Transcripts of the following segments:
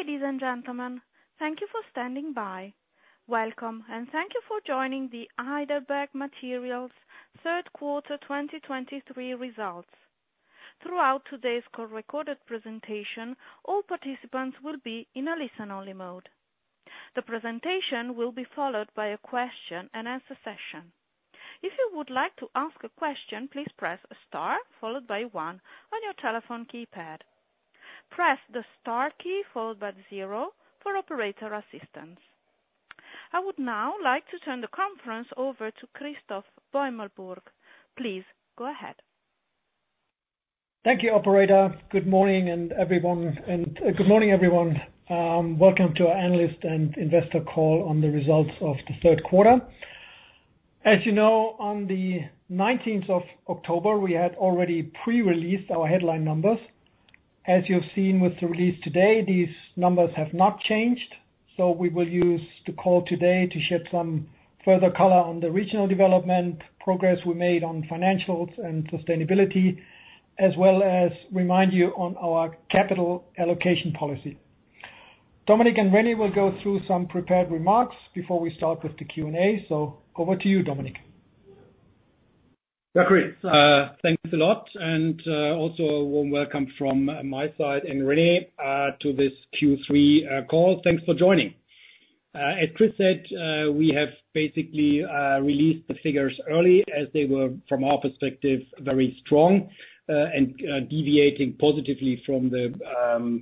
Ladies and gentlemen, thank you for standing by. Welcome, and thank you for joining the Heidelberg Materials third quarter 2023 results. Throughout today's call recorded presentation, all participants will be in a listen-only mode. The presentation will be followed by a question-and-answer session. If you would like to ask a question, please press star followed by one on your telephone keypad. Press the star key, followed by zero, for operator assistance. I would now like to turn the conference over to Christoph Beumelburg. Please go ahead. Thank you, operator. Good morning and everyone, and good morning, everyone, welcome to our analyst and investor call on the results of the third quarter. As you know, on the nineteenth of October, we had already pre-released our headline numbers. As you've seen with the release today, these numbers have not changed, so we will use the call today to shed some further color on the regional development, progress we made on financials and sustainability, as well as remind you on our capital allocation policy. Dominik and René will go through some prepared remarks before we start with the Q&A, so over to you, Dominik. Yeah, Chris, thanks a lot, and also a warm welcome from my side and René to this Q3 call. Thanks for joining. As Chris said, we have basically released the figures early as they were, from our perspective, very strong, and deviating positively from the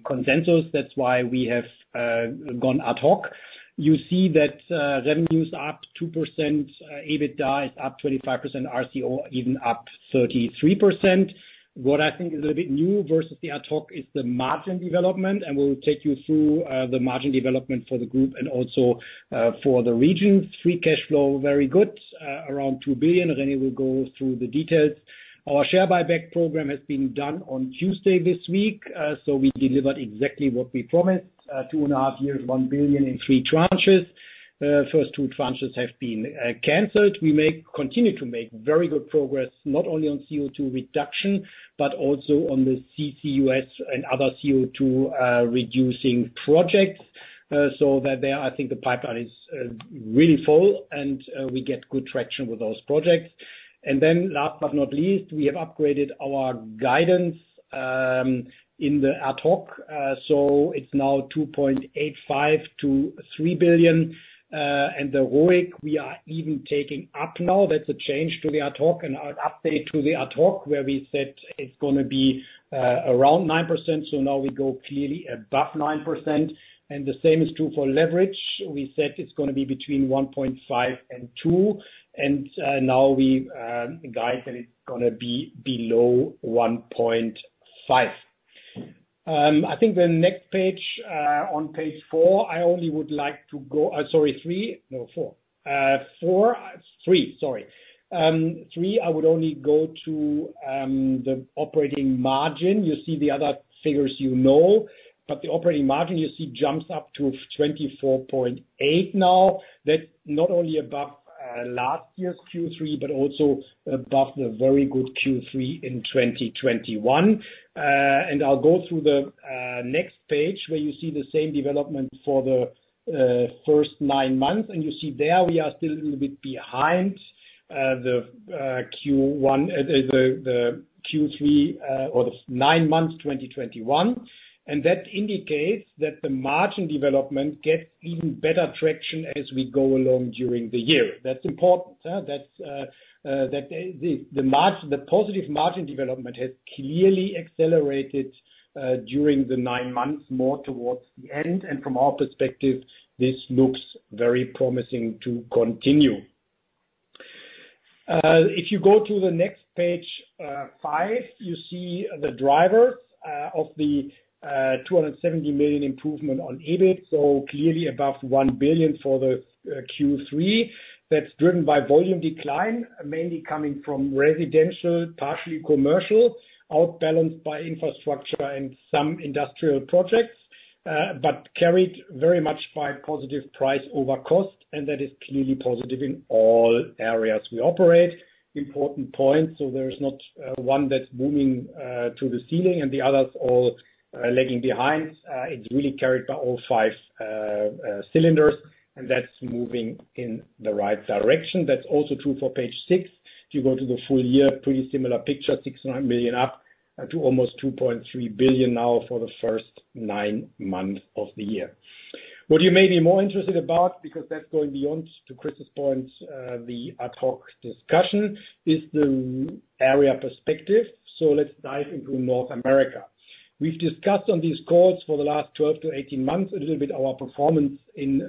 consensus. That's why we have gone ad hoc. You see that revenues are up 2%, EBITDA is up 25%, RCO even up 33%. What I think is a bit new versus the ad hoc is the margin development, and we'll take you through the margin development for the group and also for the region. Free cash flow, very good, around 2 billion. René will go through the details. Our share buyback program has been done on Tuesday this week, so we delivered exactly what we promised. 2.5 years, 1 billion in three tranches. First two tranches have been canceled. We continue to make very good progress, not only on CO2 reduction, but also on the CCUS and other CO2 reducing projects. So that there, I think the pipeline is really full, and we get good traction with those projects. Then last but not least, we have upgraded our guidance in the ad hoc. So it's now 2.85 billion-3 billion, and the ROIC, we are even taking up now. That's a change to the ad hoc and an update to the ad hoc, where we said it's gonna be around 9%, so now we go clearly above 9%. And the same is true for leverage. We said it's gonna be between 1.5 and 2, and now we guide that it's gonna be below 1.5. I think the next page, on page four, I only would like to go... Sorry, three. No, four. Four, three, sorry. Three, I would only go to the operating margin. You see the other figures you know, but the operating margin, you see, jumps up to 24.8 now. That's not only above last year's Q3, but also above the very good Q3 in 2021. And I'll go through the next page, where you see the same development for the first nine months, and you see there, we are still a little bit behind the Q1, the Q3, or the nine months 2021. That indicates that the margin development gets even better traction as we go along during the year. That's important, that's that the positive margin development has clearly accelerated during the nine months, more towards the end, and from our perspective, this looks very promising to continue. If you go to the next page, 5, you see the drivers of the 270 million improvement on EBIT, so clearly above 1 billion for the Q3. That's driven by volume decline, mainly coming from residential, partially commercial, outbalanced by infrastructure and some industrial projects, but carried very much by positive price over cost, and that is clearly positive in all areas we operate. Important point, so there is not one that's moving to the ceiling and the others all lagging behind. It's really carried by all five cylinders, and that's moving in the right direction. That's also true for page six. If you go to the full year, pretty similar picture, 600 million up to almost 2.3 billion now for the first nine months of the year. What you may be more interested about, because that's going beyond, to Chris's point, the ad hoc discussion, is the area perspective. So let's dive into North America. We've discussed on these calls for the last 12-18 months, a little bit, our performance in,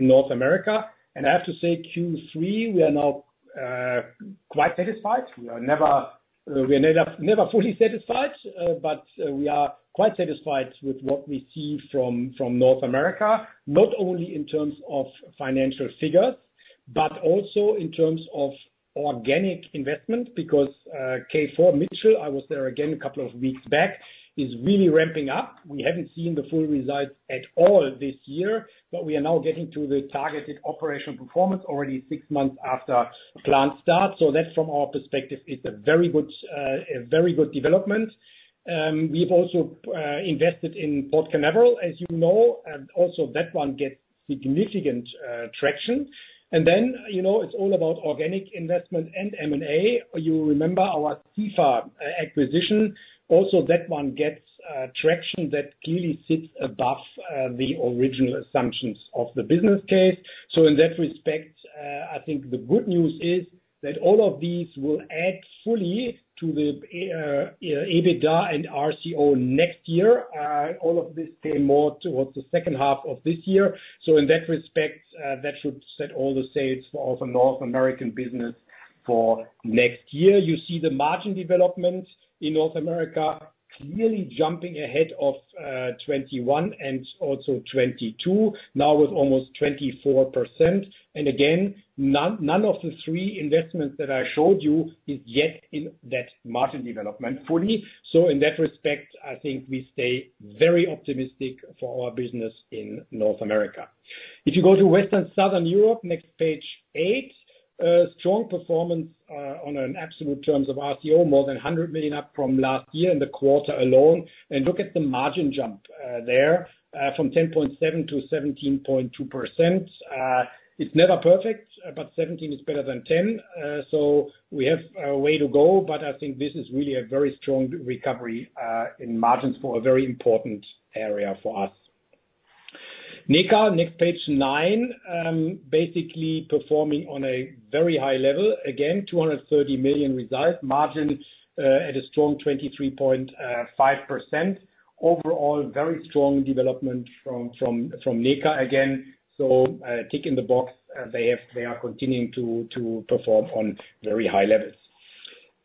in North America, and I have to say Q3, we are now, quite satisfied. We are never, we are never, never fully satisfied, but, we are quite satisfied with what we see from, from North America, not only in terms of financial figures-... but also in terms of organic investment, because our Mitchell, I was there again a couple of weeks back, is really ramping up. We haven't seen the full results at all this year, but we are now getting to the targeted operational performance already six months after plant start. So that, from our perspective, is a very good, a very good development. We've also invested in Port Canaveral, as you know, and also that one gets significant traction. And then, you know, it's all about organic investment and M&A. You remember our Tiller acquisition, also that one gets traction that clearly sits above the original assumptions of the business case. So in that respect, I think the good news is that all of these will add fully to the EBITDA and RCO next year. All of this pay more towards the second half of this year. So in that respect, that should set all the sales for our North American business for next year. You see the margin development in North America really jumping ahead of 21 and also 22, now with almost 24%. And again, none, none of the three investments that I showed you is yet in that margin development fully. So in that respect, I think we stay very optimistic for our business in North America. If you go to Western Southern Europe, next page 8, a strong performance on an absolute terms of RCO, more than 100 million up from last year in the quarter alone. And look at the margin jump there from 10.7% to 17.2%. It's never perfect, but 17 is better than 10, so we have a way to go, but I think this is really a very strong recovery in margins for a very important area for us. NEECA, next page nine, basically performing on a very high level. Again, 230 million result, margin at a strong 23.5%. Overall, very strong development from, from, from NEECA again, so tick in the box, they are continuing to perform on very high levels.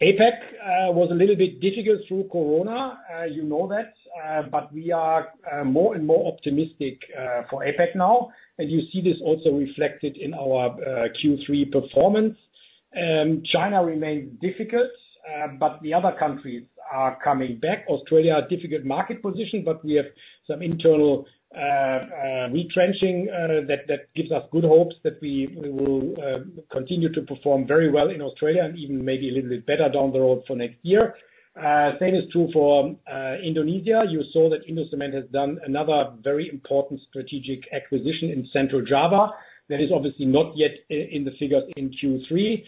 APAC was a little bit difficult through COVID, you know that, but we are more and more optimistic for APAC now. And you see this also reflected in our Q3 performance. China remains difficult, but the other countries are coming back. Australia, a difficult market position, but we have some internal retrenching that gives us good hopes that we will continue to perform very well in Australia and even maybe a little bit better down the road for next year. Same is true for Indonesia. You saw that Indocement has done another very important strategic acquisition in Central Java. That is obviously not yet in the figures in Q3,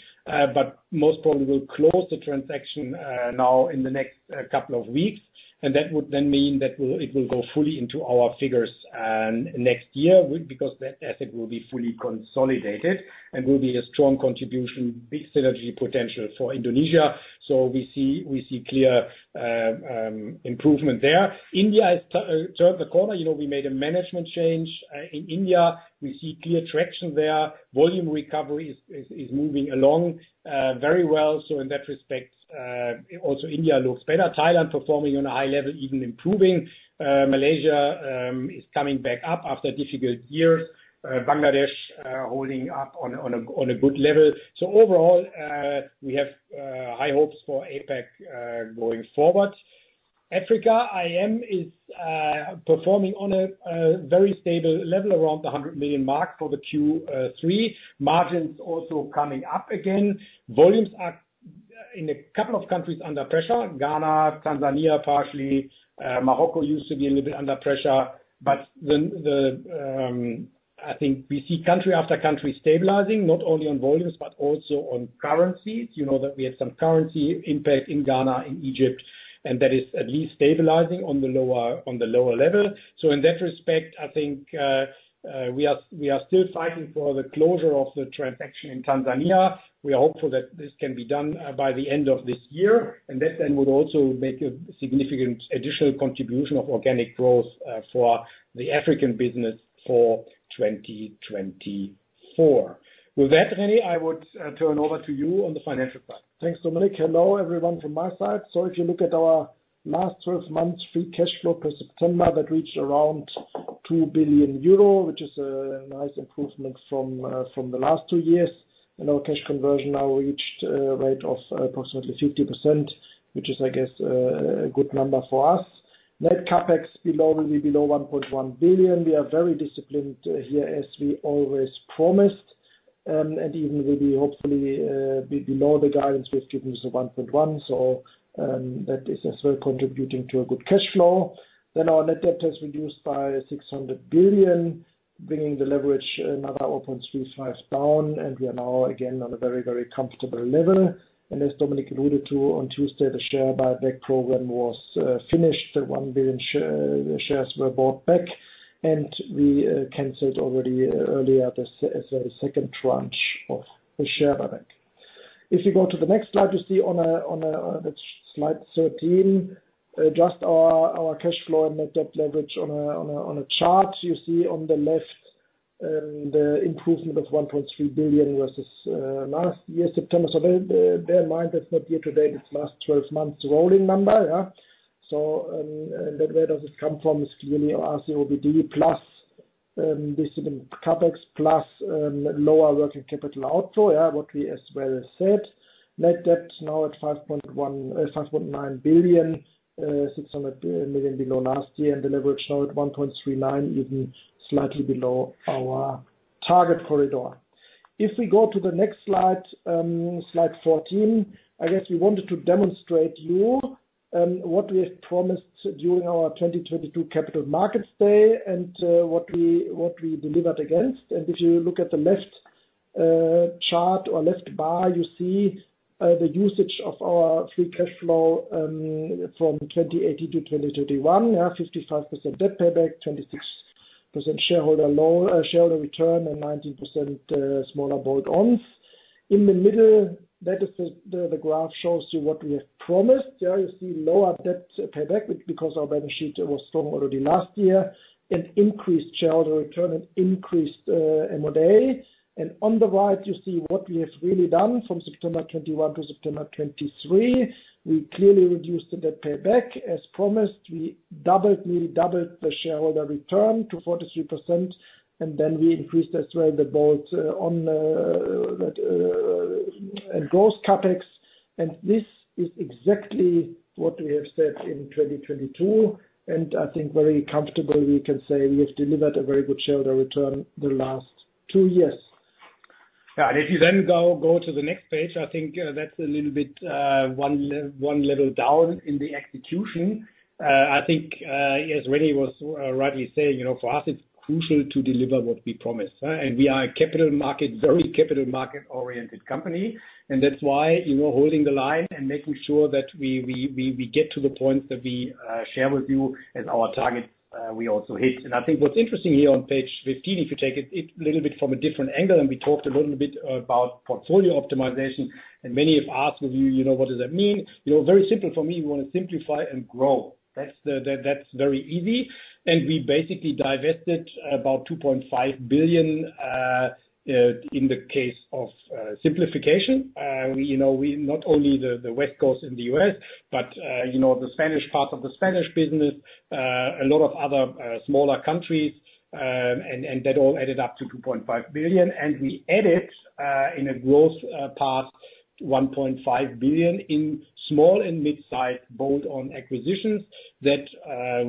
but most probably will close the transaction now in the next couple of weeks. And that would then mean that it will go fully into our figures next year, because that asset will be fully consolidated and will be a strong contribution, big synergy potential for Indonesia. So we see clear improvement there. India has turned the corner. You know, we made a management change in India. We see clear traction there. Volume recovery is moving along very well. So in that respect, also India looks better. Thailand performing on a high level, even improving. Malaysia is coming back up after difficult years. Bangladesh holding up on a good level. So overall, we have high hopes for APAC going forward. Africa, AEM is performing on a very stable level, around the 100 million mark for Q3. Margins also coming up again. Volumes are in a couple of countries under pressure, Ghana, Tanzania, partially, Morocco used to be a little bit under pressure. But then I think we see country after country stabilizing, not only on volumes, but also on currencies. You know that we have some currency impact in Ghana, in Egypt, and that is at least stabilizing on the lower, on the lower level. So in that respect, I think, we are, we are still fighting for the closure of the transaction in Tanzania. We are hopeful that this can be done, by the end of this year, and that then would also make a significant additional contribution of organic growth, for the African business for 2024. With that, René, I would, turn over to you on the financial part. Thanks, Dominik. Hello, everyone from my side. So if you look at our last twelve months, free cash flow for September, that reached around 2 billion euro, which is a nice improvement from from the last two years. And our cash conversion now reached a rate of approximately 50%, which is, I guess, a good number for us. Net CapEx below, will be below 1.1 billion. We are very disciplined here, as we always promised, and even will be hopefully, be below the guidance we've given, so 1.1 billion. So, that is also contributing to a good cash flow. Then our net debt has reduced by 600 billion, bringing the leverage another 0.35 down, and we are now again on a very, very comfortable level. As Dominic alluded to on Tuesday, the share buyback program was finished. The 1 billion shares were bought back, and we canceled already earlier the second tranche of the share buyback. If you go to the next slide, you see that's slide 13, just our cash flow and net debt leverage on a chart. You see on the left, the improvement of 1.3 billion versus last year, September. So bear in mind, that's not year to date, it's last 12 months rolling number, yeah? So, and where does it come from? It's really RCOBD plus, this is in CapEx, plus, lower working capital outgo, yeah, what we as well said. Net debt now at 5.9 billion, 600 million below last year, and the leverage now at 1.39, even slightly below our target corridor. If we go to the next slide, slide 14, I guess we wanted to demonstrate you what we have promised during our 2022 capital markets day, and what we delivered against. And if you look at the left chart or left bar, you see the usage of our free cash flow from 2018 to 2021. Yeah, 55% debt payback, 26% shareholder loan, shareholder return, and 19% smaller bolt-ons. In the middle, that is the graph shows you what we have promised. There you see lower debt payback, because our balance sheet was strong already last year, and increased shareholder return and increased M&A. And on the right, you see what we have really done from September 2021 to September 2023. We clearly reduced the debt payback. As promised, we doubled, nearly doubled the shareholder return to 43%, and then we increased as well the bolt on gross CapEx. And this is exactly what we have said in 2022, and I think very comfortable, we can say we have delivered a very good shareholder return the last two years. Yeah, and if you then go to the next page, I think that's a little bit one level down in the execution. I think as René was rightly saying, you know, for us, it's crucial to deliver what we promise, and we are a capital market, very capital market-oriented company. And that's why, you know, holding the line and making sure that we get to the point that we share with you as our target, we also hit. And I think what's interesting here on page 15, if you take it a little bit from a different angle, and we talked a little bit about portfolio optimization, and many have asked with you, "You know, what does that mean?" You know, very simple for me, we want to simplify and grow. That's that's very easy. We basically divested about 2.5 billion in the case of simplification. We, you know, we not only the, the West Coast in the U.S., but, you know, the Spanish part of the Spanish business, a lot of other smaller countries, and that all added up to 2.5 billion. We added in a growth part, 1.5 billion in small and mid-size bolt-on acquisitions that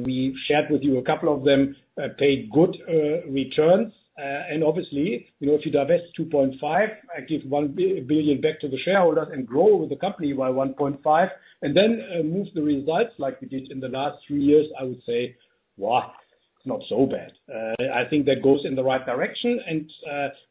we shared with you. A couple of them paid good returns. And obviously, you know, if you divest 2.5 billion, I give 1 billion back to the shareholders and grow the company by 1.5 billion, and then move the results like we did in the last three years, I would say, "Wow, it's not so bad." I think that goes in the right direction, and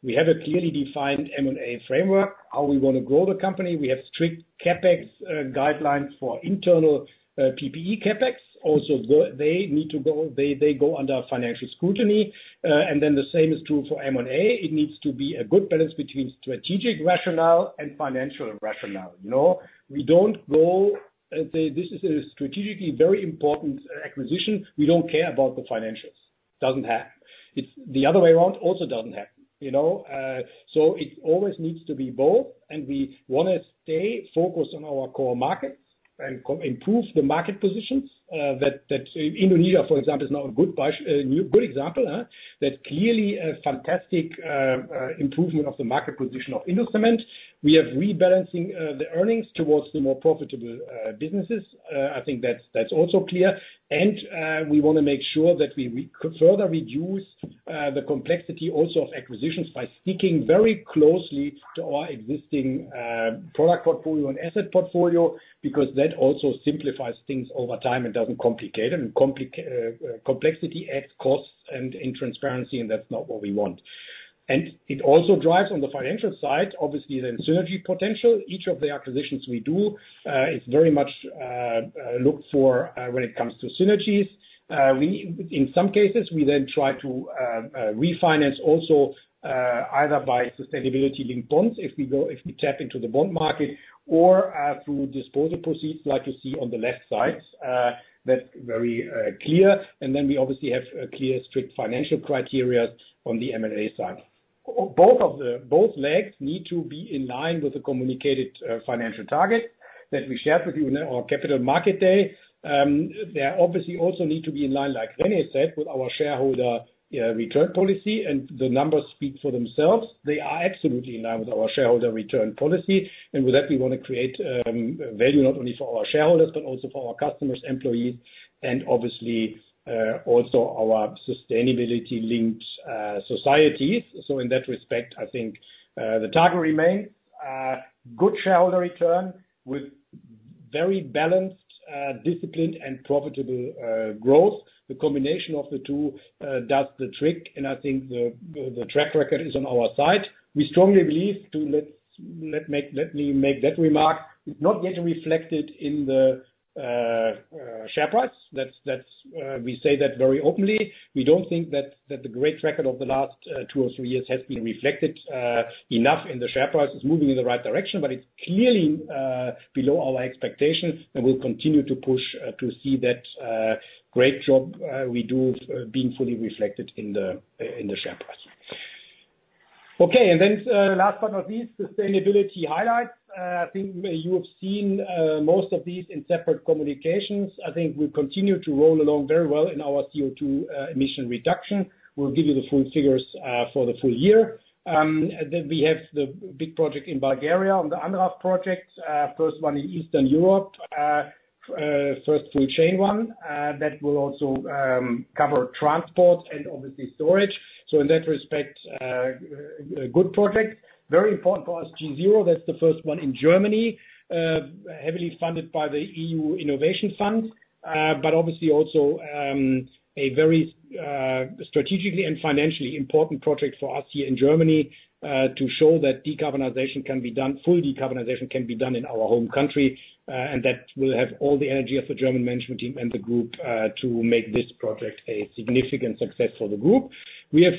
we have a clearly defined M&A framework, how we want to grow the company. We have strict CapEx guidelines for internal PPE CapEx. Also, they need to go, they go under financial scrutiny. And then the same is true for M&A. It needs to be a good balance between strategic rationale and financial rationale. You know, we don't go and say, "This is a strategically very important acquisition, we don't care about the financials." Doesn't happen. It's the other way around, also doesn't happen, you know? So it always needs to be both, and we wanna stay focused on our core markets and co-improve the market positions, that, that Indonesia, for example, is now a good base, good example, that clearly a fantastic improvement of the market position of Indocement. We are rebalancing the earnings towards the more profitable businesses. I think that's, that's also clear. And we wanna make sure that we, we further reduce the complexity also of acquisitions by sticking very closely to our existing product portfolio and asset portfolio, because that also simplifies things over time and doesn't complicate them. Complexity adds costs and intransparency, and that's not what we want. And it also drives, on the financial side, obviously, the synergy potential. Each of the acquisitions we do is very much looked for when it comes to synergies. In some cases, we then try to refinance also either by sustainability-linked bonds, if we go, if we tap into the bond market, or through disposal proceeds, like you see on the left side. That's very clear. And then we obviously have a clear, strict financial criteria on the M&A side. Both legs need to be in line with the communicated financial target that we shared with you on our capital market day. They obviously also need to be in line, like René said, with our shareholder return policy, and the numbers speak for themselves. They are absolutely in line with our shareholder return policy, and with that, we want to create value not only for our shareholders, but also for our customers, employees, and obviously also our sustainability-linked societies. So in that respect, I think the target remains good shareholder return with very balanced disciplined and profitable growth. The combination of the two does the trick, and I think the track record is on our side. We strongly believe. Let me make that remark: It's not yet reflected in the share price. That's we say that very openly. We don't think that the great record of the last two or three years has been reflected enough in the share price. It's moving in the right direction, but it's clearly below our expectations, and we'll continue to push to see that great job we do being fully reflected in the in the share price.... Okay, and then last but not least, sustainability highlights. I think you have seen most of these in separate communications. I think we continue to roll along very well in our CO2 emission reduction. We'll give you the full figures for the full year. Then we have the big project in Bulgaria, on the ANRAV project, first one in Eastern Europe, first full chain one, that will also cover transport and obviously storage. So in that respect, a good project. Very important for us, GeZero, that's the first one in Germany, heavily funded by the EU Innovation Fund, but obviously also a very strategically and financially important project for us here in Germany, to show that decarbonization can be done, full decarbonization can be done in our home country. And that will have all the energy of the German management team and the group, to make this project a significant success for the group. We have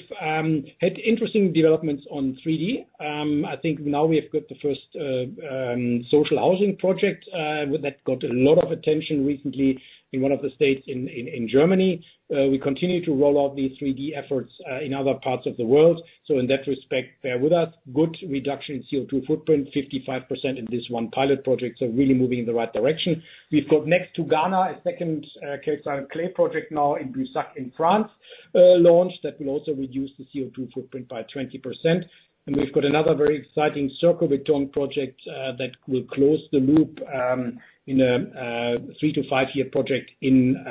had interesting developments on 3D. I think now we have got the first social housing project that got a lot of attention recently in one of the states in Germany. We continue to roll out the 3D efforts in other parts of the world. So in that respect, bear with us. Good reduction in CO2 footprint, 55% in this one pilot project, so really moving in the right direction. We've got next to Ghana, a second calcined clay project now in Bussac, in France, launched, that will also reduce the CO2 footprint by 20%. We've got another very exciting Circle withdrawn project that will close the loop in a three-to-five-year project in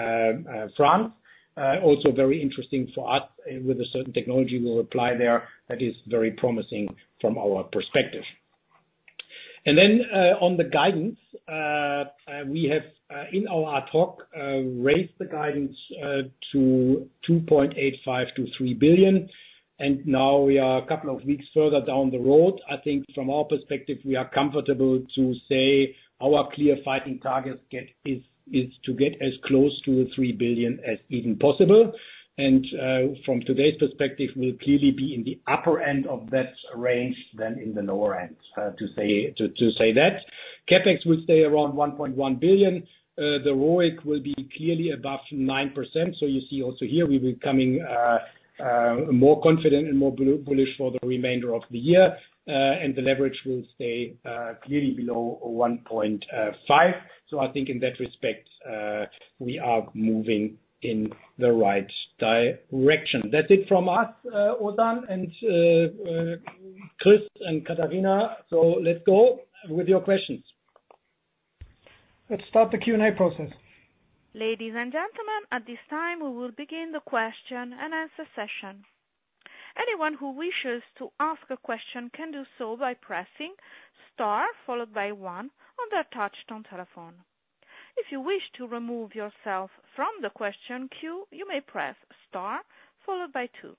France. Also very interesting for us, with a certain technology we'll apply there that is very promising from our perspective. Then on the guidance, we have in our talk raised the guidance to 2.85 billion-3 billion, and now we are a couple of weeks further down the road. I think from our perspective, we are comfortable to say our clear fighting target is to get as close to the 3 billion as even possible. From today's perspective, we'll clearly be in the upper end of that range than in the lower end, to say that. CapEx will stay around 1.1 billion. The ROIC will be clearly above 9%. So you see also here we're becoming more confident and more bullish for the remainder of the year, and the leverage will stay clearly below 1.5. So I think in that respect, we are moving in the right direction. That's it from us, Ozan and Chris and Katharina. So let's go with your questions. Let's start the Q&A process. Ladies and gentlemen, at this time, we will begin the question and answer session. Anyone who wishes to ask a question can do so by pressing star, followed by one on their touch-tone telephone. If you wish to remove yourself from the question queue, you may press star followed by two.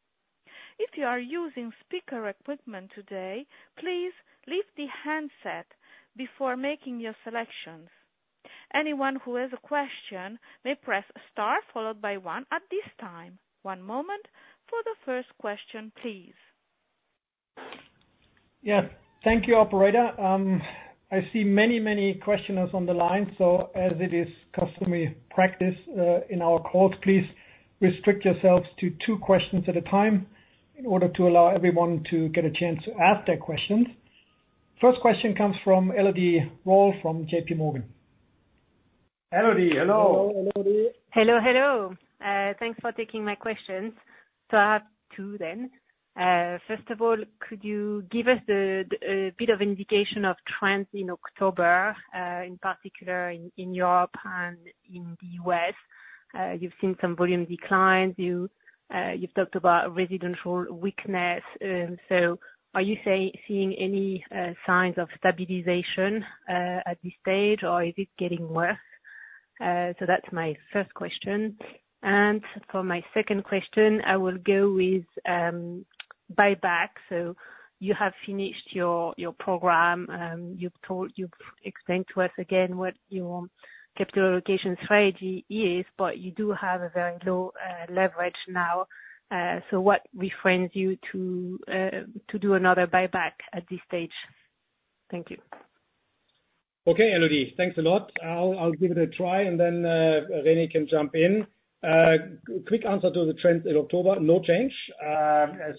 If you are using speaker equipment today, please leave the handset before making your selections. Anyone who has a question may press star, followed by one at this time. One moment for the first question, please. Yeah. Thank you, operator. I see many, many questioners on the line, so as it is customary practice, in our calls, please restrict yourselves to two questions at a time in order to allow everyone to get a chance to ask their questions. First question comes from Elodie Rall from JP Morgan. Elodie, hello. Hello, Elodie. Hello, hello. Thanks for taking my questions. So I have two then. First of all, could you give us a bit of indication of trends in October, in particular in Europe and in the U.S.? You've seen some volume declines, you, you've talked about residential weakness. So are you seeing any signs of stabilization at this stage, or is it getting worse? So that's my first question. And for my second question, I will go with buyback. So you have finished your program, you've explained to us again what your capital allocation strategy is, but you do have a very low leverage now. So what refrains you to do another buyback at this stage? Thank you. Okay, Elodie. Thanks a lot. I'll, I'll give it a try, and then René can jump in. Quick answer to the trends in October, no change.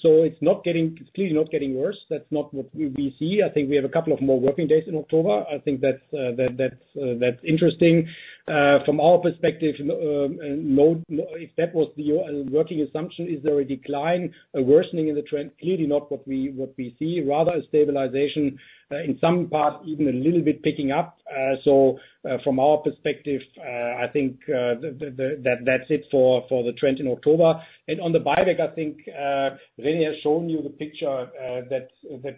So it's not getting, it's clearly not getting worse. That's not what we, we see. I think we have a couple of more working days in October. I think that's, that, that's interesting. From our perspective, no, if that was your working assumption, is there a decline, a worsening in the trend? Clearly not what we, what we see, rather a stabilization in some parts, even a little bit picking up. So from our perspective, I think the, the, the, that, that's it for the trend in October. On the buyback, I think, René has shown you the picture, that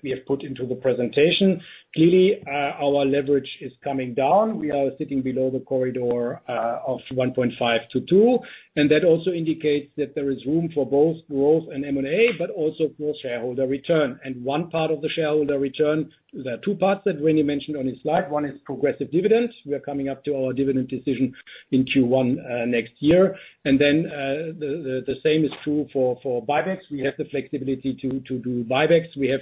we have put into the presentation. Clearly, our leverage is coming down. We are sitting below the corridor of 1.5-2, and that also indicates that there is room for both growth and M&A, but also for shareholder return. One part of the shareholder return, there are two parts that René mentioned on his slide. One is progressive dividends. We are coming up to our dividend decision in Q1 next year. Then, the same is true for buybacks. We have the flexibility to do buybacks. We have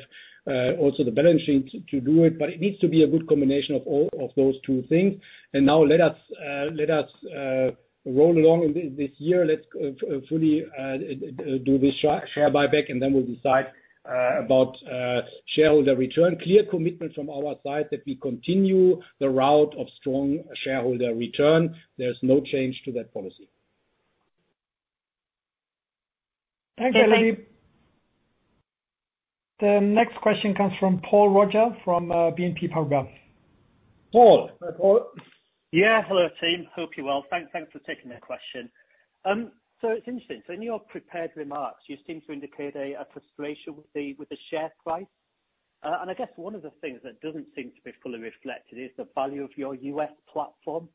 also the balance sheet to do it, but it needs to be a good combination of all of those two things. Now let us roll along in this year. Let's fully do this share buyback, and then we'll decide about shareholder return. Clear commitment from our side that we continue the route of strong shareholder return. There's no change to that policy. ... Thank you, Elodie. The next question comes from Paul Roger from BNP Paribas. Paul. Hi, Paul. Yeah, hello team. Hope you're well. Thanks for taking the question. So it's interesting, so in your prepared remarks, you seem to indicate a frustration with the share price. And I guess one of the things that doesn't seem to be fully reflected is the value of your U.S. platform.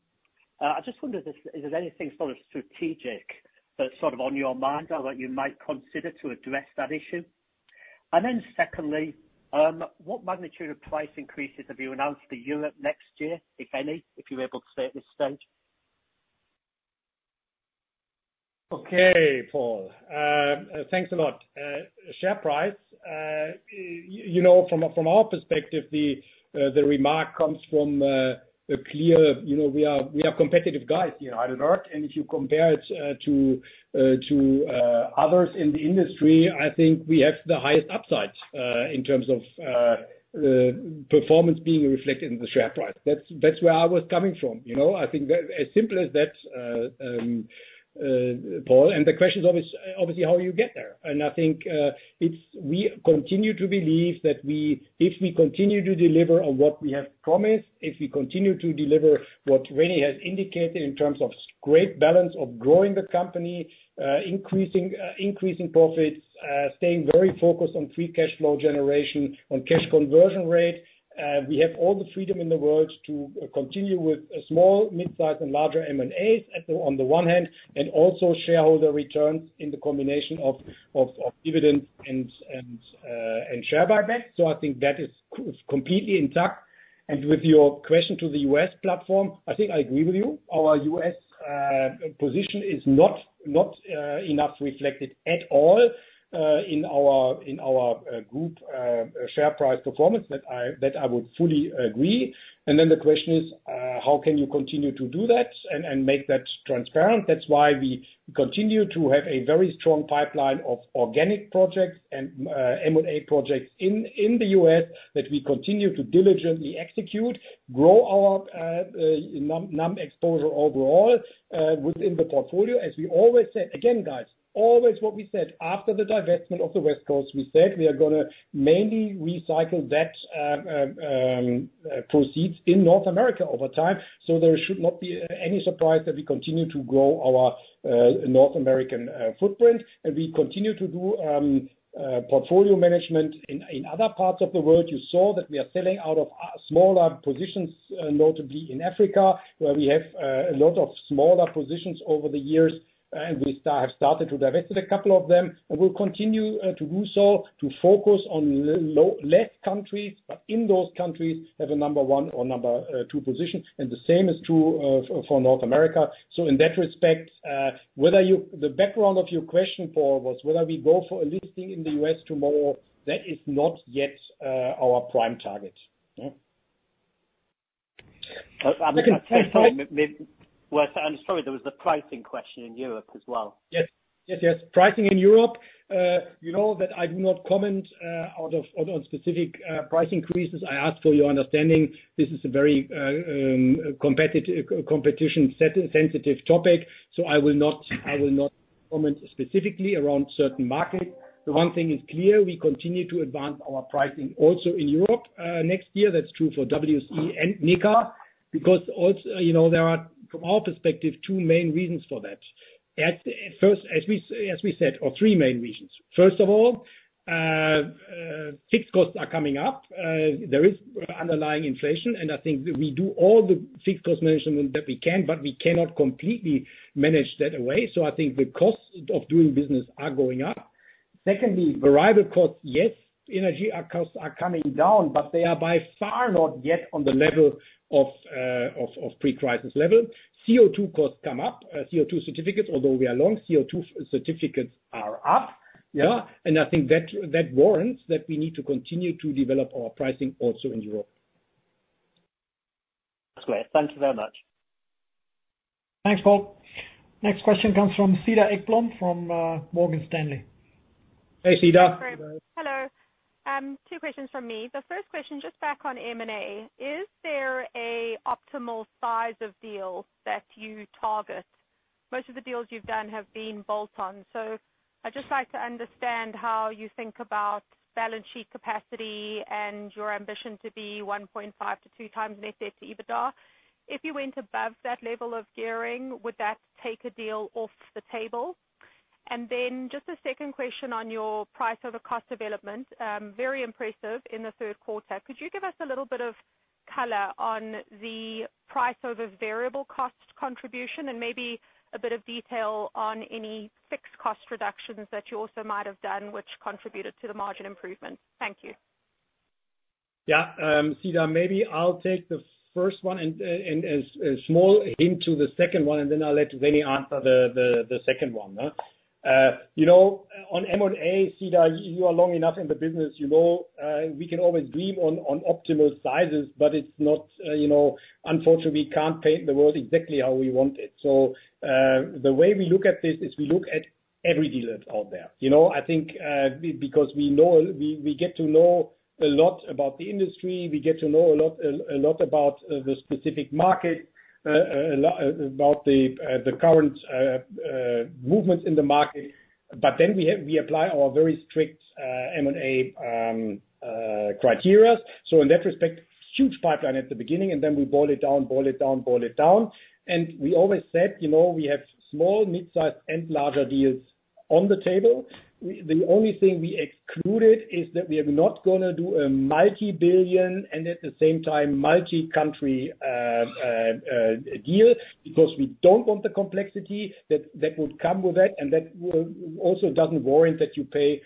I just wonder if this is there anything sort of strategic that's sort of on your mind or that you might consider to address that issue? And then secondly, what magnitude of price increases have you announced for Europe next year, if any? If you're able to say at this stage. Okay, Paul. Thanks a lot. Share price, you know, from, from our perspective, the, the remark comes from, a clear, you know, we are, we are competitive guys in Rheinland, and if you compare it, to, to, others in the industry, I think we have the highest upside, in terms of, performance being reflected in the share price. That's, that's where I was coming from, you know? I think that as simple as that, Paul, and the question is obviously, obviously, how you get there. I think it's-- we continue to believe that we-- if we continue to deliver on what we have promised, if we continue to deliver what René has indicated in terms of great balance of growing the company, increasing profits, staying very focused on free cash flow generation, on cash conversion rate, we have all the freedom in the world to continue with small, mid-size and larger M&As on the one hand, and also shareholder returns in the combination of dividends and share buyback. So I think that is completely intact. And with your question to the U.S. platform, I think I agree with you. Our U.S. position is not enough reflected at all in our group share price performance. That I would fully agree. And then the question is, how can you continue to do that and make that transparent? That's why we continue to have a very strong pipeline of organic projects and M&A projects in the U.S., that we continue to diligently execute, grow our non-U.S. exposure overall within the portfolio. As we always said, again, guys, always what we said, after the divestment of the West Coast, we said we are gonna mainly recycle that proceeds in North America over time. So there should not be any surprise that we continue to grow our North American footprint, and we continue to do portfolio management in other parts of the world. You saw that we are selling out of smaller positions, notably in Africa, where we have a lot of smaller positions over the years, and we have started to divest a couple of them. And we'll continue to do so, to focus on less countries, but in those countries, have a number one or number two position, and the same is true for North America. So in that respect, whether you... The background of your question, Paul, was whether we go for a listing in the U.S. tomorrow, that is not yet our prime target. Yeah. Well, I'm sorry, there was the pricing question in Europe as well. Yes. Yes, yes, pricing in Europe. You know that I do not comment on specific price increases. I ask for your understanding. This is a very competition-sensitive topic, so I will not comment specifically around certain markets. The one thing is clear, we continue to advance our pricing also in Europe next year. That's true for WSE and Nika, because also, you know, there are, from our perspective, two main reasons for that. At first, as we said or three main reasons. First of all, fixed costs are coming up. There is underlying inflation, and I think we do all the fixed cost management that we can, but we cannot completely manage that away. So I think the costs of doing business are going up. Secondly, variable costs, yes, energy costs are coming down, but they are by far not yet on the level of pre-crisis level. CO2 costs come up. CO2 certificates, although we are long, CO2 certificates are up. Yeah, and I think that warrants that we need to continue to develop our pricing also in Europe. That's clear. Thank you very much. Thanks, Paul. Next question comes from Cedar Ekblom, from Morgan Stanley. Hey, Cedar. Hello. Two questions from me. The first question, just back on M&A. Is there an optimal size of deal that you target? Most of the deals you've done have been bolt-on, so I'd just like to understand how you think about balance sheet capacity and your ambition to be 1.5-2 times net debt to EBITDA. If you went above that level of gearing, would that take a deal off the table? And then just a second question on your price over cost development, very impressive in the third quarter. Could you give us a little bit of color on the price over variable cost contribution, and maybe a bit of detail on any fixed cost reductions that you also might have done, which contributed to the margin improvement? Thank you. Yeah, Cedar, maybe I'll take the first one and a small hint to the second one, and then I'll let René answer the second one, huh? You know, on M&A, Cedar, you are long enough in the business, you know, we can always dream on optimal sizes, but it's not, you know, unfortunately, we can't paint the world exactly how we want it. So, the way we look at this is we look at every deal that's out there. You know, I think, because we know, we, we get to know a lot about the industry, we get to know a lot, a lot about, the specific market, a lot about the, the current, movements in the market, but then we have- we apply our very strict, M&A criteria. So in that respect, huge pipeline at the beginning, and then we boil it down, boil it down, boil it down. And we always said, you know, we have small, mid-size, and larger deals on the table. The only thing we excluded is that we are not gonna do a multi-billion, and at the same time, multi-country, deal, because we don't want the complexity that would come with that, and that also doesn't warrant that you pay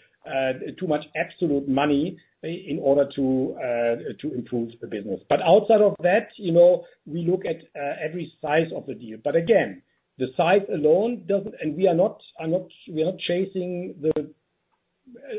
too much absolute money in order to improve the business. But outside of that, you know, we look at every size of the deal. But again, the size alone doesn't and we are not chasing the...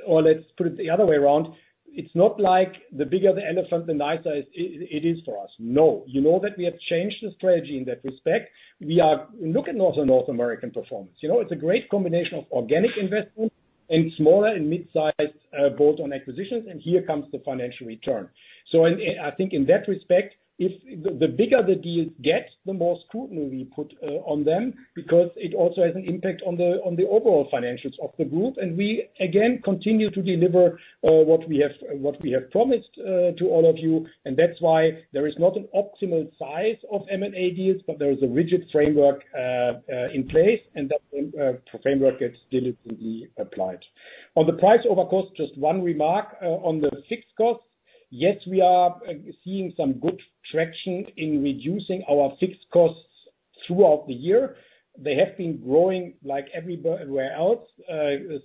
or let's put it the other way around, it's not like the bigger the elephant, the nicer it is for us. No. You know that we have changed the strategy in that respect. We look at North American performance. You know, it's a great combination of organic investment and smaller and mid-sized, build on acquisitions, and here comes the financial return. So, I think in that respect, if the bigger the deals get, the more scrutiny we put on them, because it also has an impact on the overall financials of the group. And we, again, continue to deliver what we have, what we have promised to all of you, and that's why there is not an optimal size of M&A deals, but there is a rigid framework in place, and that the framework gets diligently applied. On the price overcost, just one remark on the fixed costs. Yes, we are seeing some good traction in reducing our fixed costs throughout the year. They have been growing like everywhere else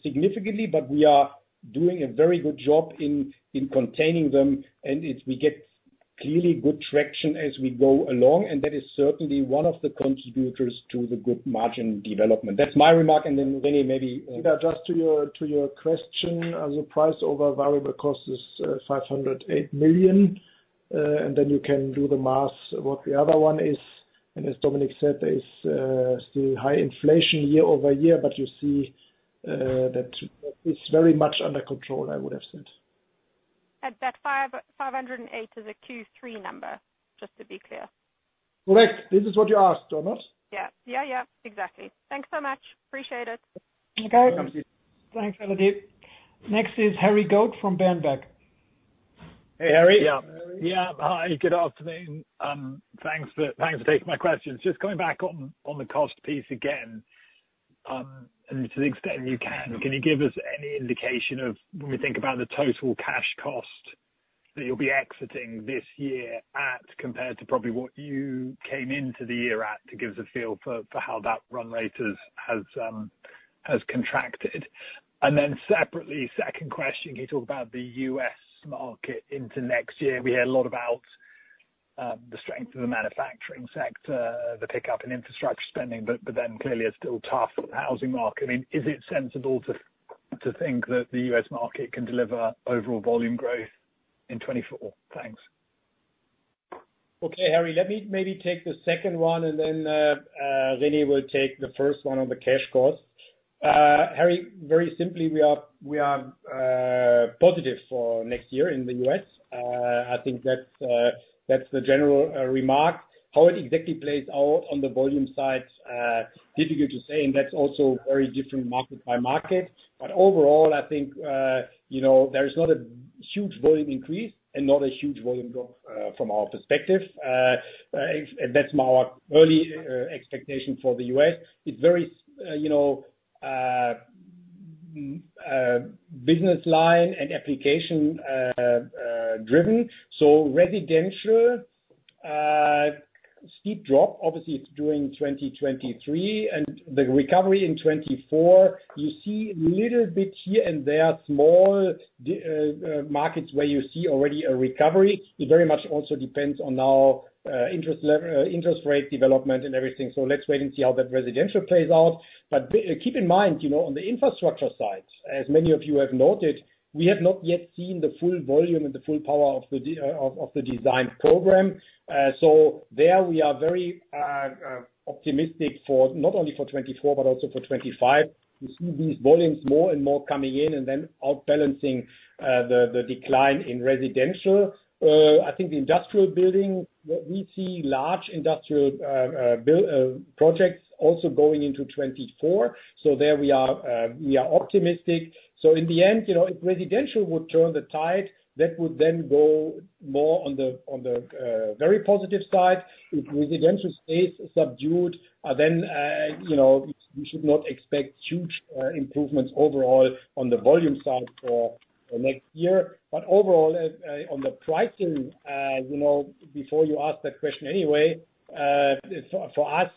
significantly, but we are doing a very good job in containing them, and we get clearly good traction as we go along, and that is certainly one of the contributors to the good margin development. That's my remark, and then René, maybe. Yeah, just to your, to your question, the price over variable cost is 508 million, and then you can do the math what the other one is. As Dominik said, there is still high inflation year-over-year, but you see that it's very much under control, I would have said. That 508 is a Q3 number, just to be clear? Correct. This is what you asked, Donna. Yeah. Yeah, yeah, exactly. Thanks so much. Appreciate it. Okay. Thank you. Thanks, Elodie. Next is Harry Goode from Berenberg. Hey, Harry. Yeah. Yeah, hi, good afternoon. Thanks for taking my questions. Just coming back on the cost piece again, and to the extent you can, can you give us any indication of when we think about the total cash cost that you'll be exiting this year at, compared to probably what you came into the year at, to give us a feel for how that run rate has contracted? And then separately, second question, can you talk about the US market into next year? We heard a lot about the strength of the manufacturing sector, the pickup in infrastructure spending, but then clearly it's still a tough housing market. I mean, is it sensible to think that the US market can deliver overall volume growth in 2024? Thanks. Okay, Harry, let me maybe take the second one, and then René will take the first one on the cash cost. Harry, very simply, we are positive for next year in the US. I think that's the general remark. How it exactly plays out on the volume side, difficult to say, and that's also very different market by market. But overall, I think, you know, there is not a huge volume increase and not a huge volume drop from our perspective. And that's our early expectation for the US. It's very, you know, business line and application driven. So residential, steep drop, obviously it's during 2023, and the recovery in 2024, you see little bits here and there, small markets where you see already a recovery. It very much also depends on our interest level, interest rate development and everything. So let's wait and see how that residential plays out. But keep in mind, you know, on the infrastructure side, as many of you have noted, we have not yet seen the full volume and the full power of the design program. So there we are very optimistic for not only for 2024, but also for 2025. We see these volumes more and more coming in and then out balancing the decline in residential. I think the industrial building, we see large industrial building projects also going into 2024. So there we are, we are optimistic. So in the end, you know, if residential would turn the tide, that would then go more on the, on the very positive side. If residential stays subdued, then, you know, we should not expect huge improvements overall on the volume side for the next year. But overall, on the pricing, you know, before you ask that question anyway, so for us,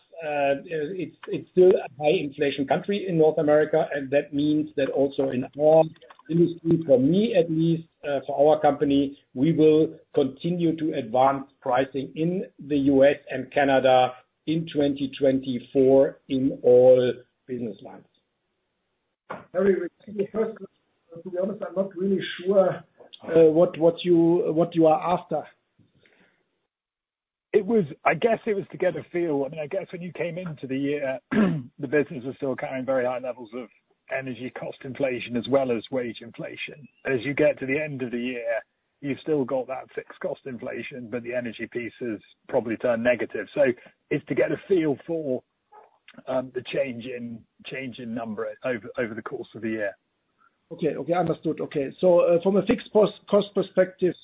it's still a high inflation country in North America, and that means that also in all industries, for me at least, for our company, we will continue to advance pricing in the U.S. and Canada in 2024 in all business lines. Harry, to be honest, I'm not really sure what you are after. I guess it was to get a feel. I mean, I guess when you came into the year, the business was still carrying very high levels of energy cost inflation as well as wage inflation. As you get to the end of the year, you've still got that fixed cost inflation, but the energy piece has probably turned negative. So it's to get a feel for-... the change in number over the course of the year. Okay. Okay, understood. Okay. So, from a fixed post-cost perspective,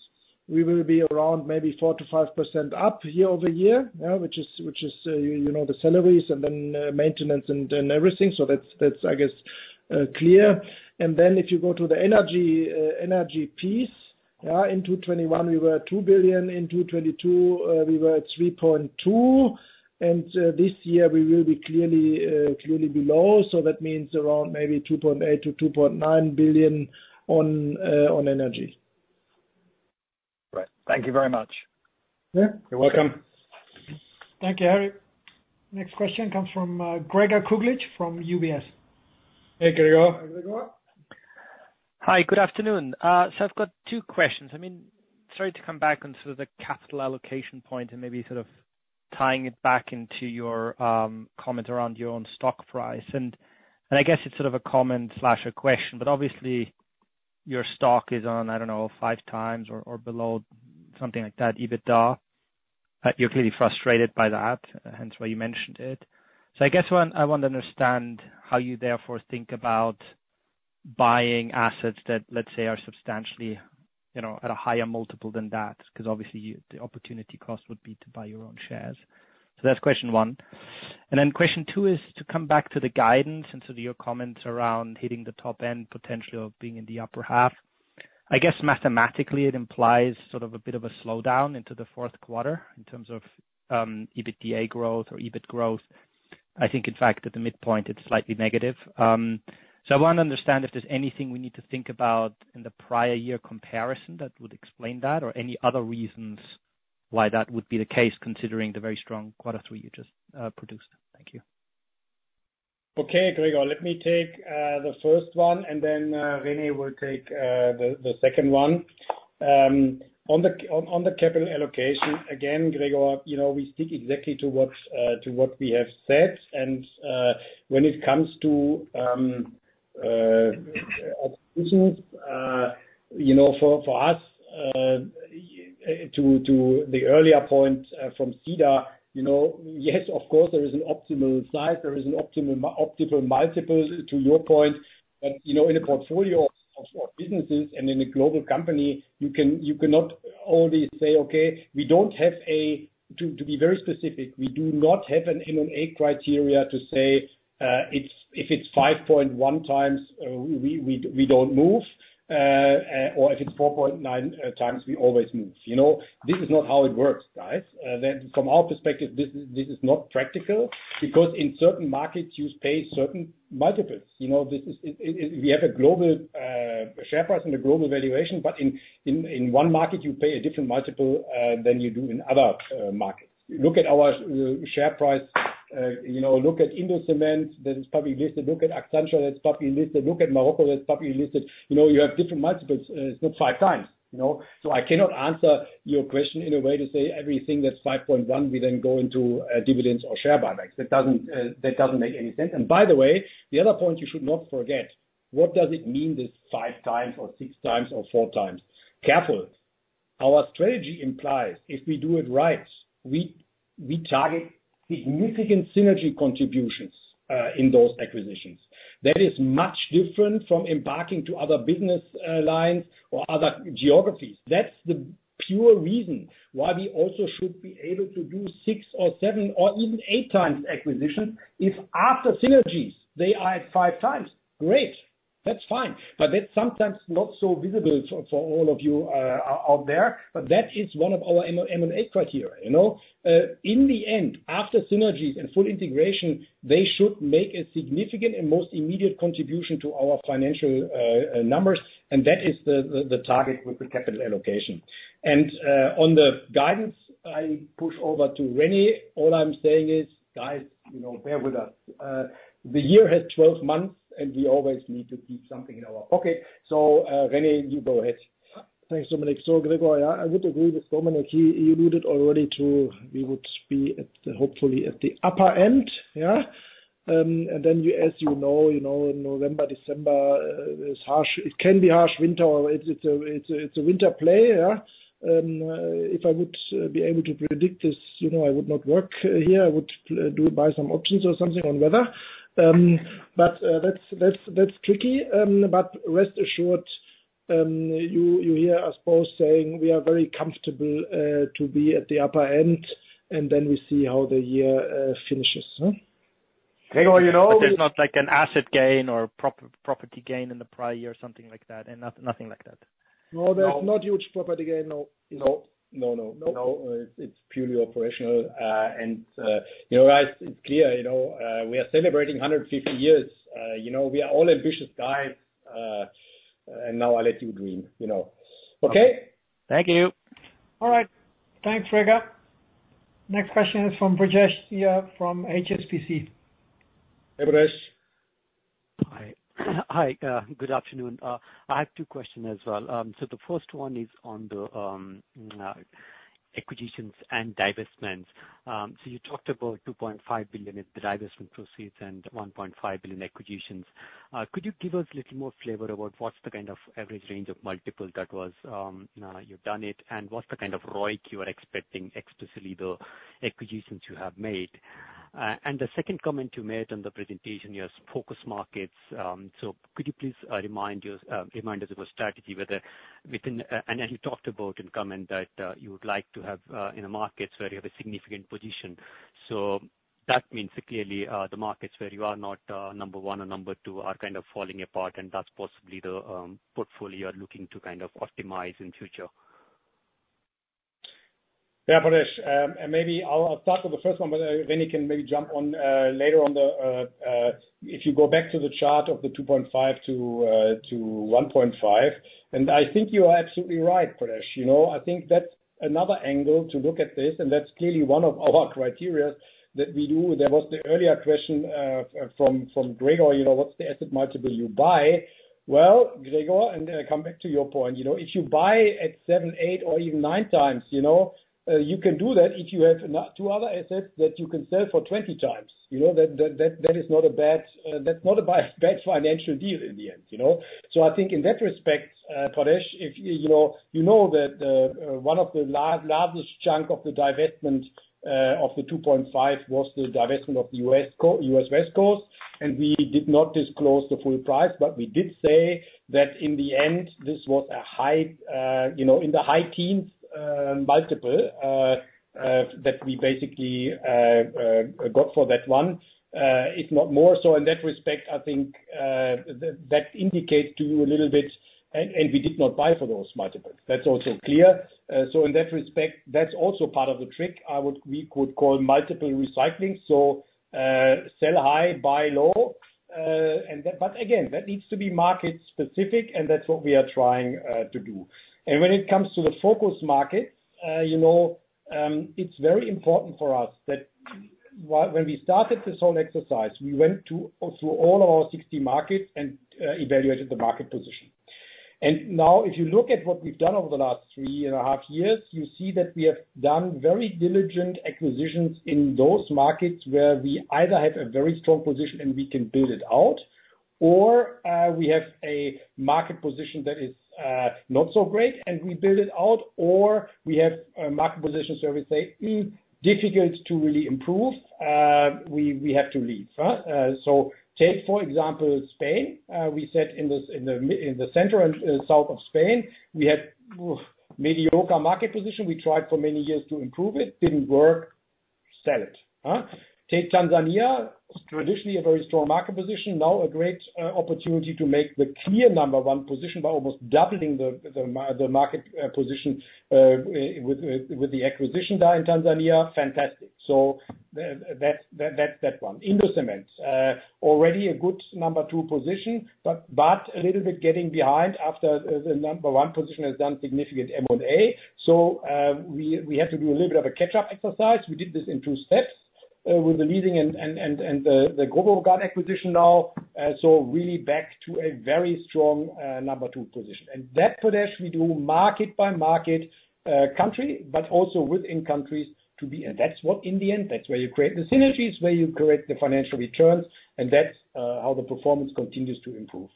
we will be around maybe 4%-5% up year-over-year, yeah, which is, which is, you know, the salaries and then, maintenance and, and everything. So that's, that's, I guess, clear. And then if you go to the energy, energy piece, in 2021, we were 2 billion, in 2022, we were at 3.2, and, this year we will be clearly, clearly below. So that means around maybe 2.8 billion-2.9 billion on, on energy. Right. Thank you very much. Yeah. You're welcome. Thank you, Harry. Next question comes from Gregor Kuglitsch from UBS. Hey, Gregor. Hi, Gregor. Hi, good afternoon. So I've got two questions. I mean, sorry to come back onto the capital allocation point and maybe sort of tying it back into your comment around your own stock price. I guess it's sort of a comment slash a question, but obviously, your stock is on, I don't know, 5x or below, something like that, EBITDA. You're clearly frustrated by that, hence why you mentioned it. So I guess what I want to understand, how you therefore think about buying assets that, let's say, are substantially, you know, at a higher multiple than that, 'cause obviously, the opportunity cost would be to buy your own shares. So that's question one. And then question two is to come back to the guidance and so to your comments around hitting the top end, potentially of being in the upper half. I guess mathematically, it implies sort of a bit of a slowdown into the fourth quarter in terms of, EBITDA growth or EBIT growth. I think in fact, at the midpoint, it's slightly negative. So I want to understand if there's anything we need to think about in the prior year comparison that would explain that, or any other reasons why that would be the case, considering the very strong quarter three you just, produced. Thank you. Okay, Gregor, let me take the first one, and then René will take the second one. On the capital allocation, again, Gregor, you know, we stick exactly to what we have said. When it comes to acquisitions, you know, for us, to the earlier point from Sida, you know, yes, of course, there is an optimal size, there is an optimal multiples to your point. But, you know, in a portfolio of businesses and in a global company, you cannot always say, "Okay, we don't have a..." To be very specific, we do not have an M&A criteria to say, it's if it's 5.1x, we don't move, or if it's 4.9x, we always move. You know, this is not how it works, guys. Then from our perspective, this is not practical, because in certain markets, you pay certain multiples. You know, this is, we have a global share price and a global valuation, but in one market, you pay a different multiple than you do in other markets. Look at our share price, you know, look at Indocement, that is probably listed. Look at Accenture, that's probably listed. Look at Morocco, that's probably listed. You know, you have different multiples, it's not 5x, you know? So I cannot answer your question in a way to say everything that's 5.1, we then go into, dividends or share buybacks. That doesn't, that doesn't make any sense. And by the way, the other point you should not forget: What does it mean, this 5x or 6x or 4x? Careful. Our strategy implies if we do it right, we, we target significant synergy contributions, in those acquisitions. That is much different from embarking to other business, lines or other geographies. That's the pure reason why we also should be able to do 6x or 7x or even 8x acquisition, if after synergies, they are at 5x, great! That's fine. But that's sometimes not so visible for all of you out there, but that is one of our M&A criteria, you know? In the end, after synergies and full integration, they should make a significant and most immediate contribution to our financial numbers, and that is the target with the capital allocation. On the guidance, I push over to René. All I'm saying is, guys, you know, bear with us. The year has twelve months, and we always need to keep something in our pocket. So, René, you go ahead. Thanks, Dominik. So Gregor, I would agree with Dominik. He alluded already to we would be at, hopefully, at the upper end, yeah. And then you, as you know, you know, in November, December, is harsh—it can be harsh winter. It's a winter play, yeah? If I would be able to predict this, you know, I would not work here. I would do buy some options or something on weather. But that's tricky, but rest assured, you hear us both saying we are very comfortable to be at the upper end, and then we see how the year finishes, huh? Gregor, you know- There's not, like, an asset gain or property gain in the prior year, or something like that, and nothing like that? No, there's not huge property gain, no. No. No, no. No. No, it's purely operational. You're right, it's clear, you know, we are celebrating 150 years. You know, we are all ambitious guys, and now I let you dream, you know. Okay? Thank you. All right. Thanks, Gregor. Next question is from Brijesh Siya, from HSBC. Hey, Brijesh. Hi. Hi, good afternoon. I have two questions as well. So the first one is on the acquisitions and divestments. So you talked about 2.5 billion in the divestment proceeds and 1.5 billion acquisitions. Could you give us a little more flavor about what's the kind of average range of multiple that was, you've done it, and what's the kind of ROIC you are expecting, explicitly, the acquisitions you have made? And the second comment you made on the presentation, your focus markets. So could you please remind us of your strategy whether within and as you talked about in comment, that you would like to have in the markets where you have a significant position. So that means that clearly, the markets where you are not number one or number two are kind of falling apart, and that's possibly the portfolio you are looking to kind of optimize in future. Yeah, Brijesh. Maybe I'll start with the first one, but Vinnie can maybe jump on later on the if you go back to the chart of the 2.5 to 1.5, and I think you are absolutely right, Brijesh. You know, I think that's another angle to look at this, and that's clearly one of our criteria that we do. There was the earlier question from Gregor, you know, "What's the asset multiple you buy?" Well, Gregor, and I come back to your point, you know, if you buy at 7, 8 or even 9 times, you know, you can do that if you have two other assets that you can sell for 20 times. You know, that is not a bad, that's not a bad financial deal in the end, you know? So I think in that respect, Brijesh, if you know, you know that the one of the largest chunk of the divestment of the 2.5 was the divestment of the U.S. West Coast, and we did not disclose the full price, but we did say that in the end, this was a high, you know, in the high teens, multiple that we basically got for that one, if not more. So in that respect, I think that indicates to you a little bit. And we did not buy for those multiples. That's also clear. So in that respect, that's also part of the trick, we could call multiple recycling. So, sell high, buy low, and then... But again, that needs to be market specific, and that's what we are trying to do. And when it comes to the focus market, you know, it's very important for us that when we started this whole exercise, we went through all of our 60 markets and evaluated the market position. Now, if you look at what we've done over the last three and a half years, you see that we have done very diligent acquisitions in those markets, where we either have a very strong position and we can build it out, or we have a market position that is not so great and we build it out, or we have a market position where we say, "Mm, difficult to really improve." We have to leave, huh? So take, for example, Spain. We said in the center and south of Spain, we had, oof, mediocre market position. We tried for many years to improve it. Didn't work. Sell it, huh? Take Tanzania, traditionally a very strong market position, now a great opportunity to make the clear number one position by almost doubling the market position with the acquisition there in Tanzania. Fantastic. So that's that one. Indocement, already a good number two position, but a little bit getting behind after the number one position has done significant M&A. So we had to do a little bit of a catch-up exercise. We did this in two steps with the leasing and the Grobogan acquisition now. So really back to a very strong number two position. And that, Brijesh, we do market by market country, but also within countries to be. That's what in the end, that's where you create the synergies, where you create the financial returns, and that's how the performance continues to improve.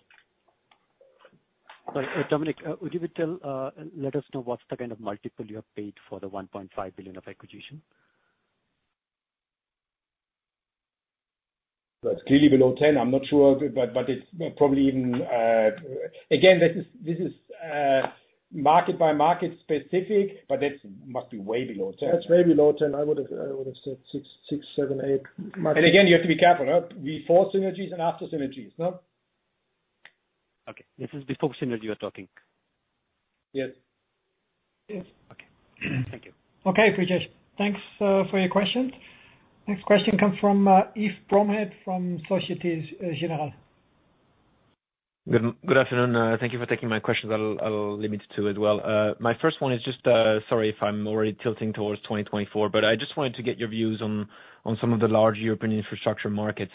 Dominik, would you be tell, let us know what's the kind of multiple you have paid for the 1.5 billion of acquisition? That's clearly below 10. I'm not sure, but it's probably even. Again, this is market by market specific, but that must be way below 10. That's way below 10. I would have said 6, 6, 7, 8 mark- And again, you have to be careful, huh? Before synergies and after synergies, huh? Okay. This is before synergy you are talking? Yes. Yes. Okay. Thank you. Okay, Brijeshe, thanks, for your question. Next question comes from, Yves Bromehead from Société Générale. Good afternoon. Thank you for taking my questions. I'll limit it to as well. My first one is just, sorry if I'm already tilting towards 2024, but I just wanted to get your views on some of the large European infrastructure markets.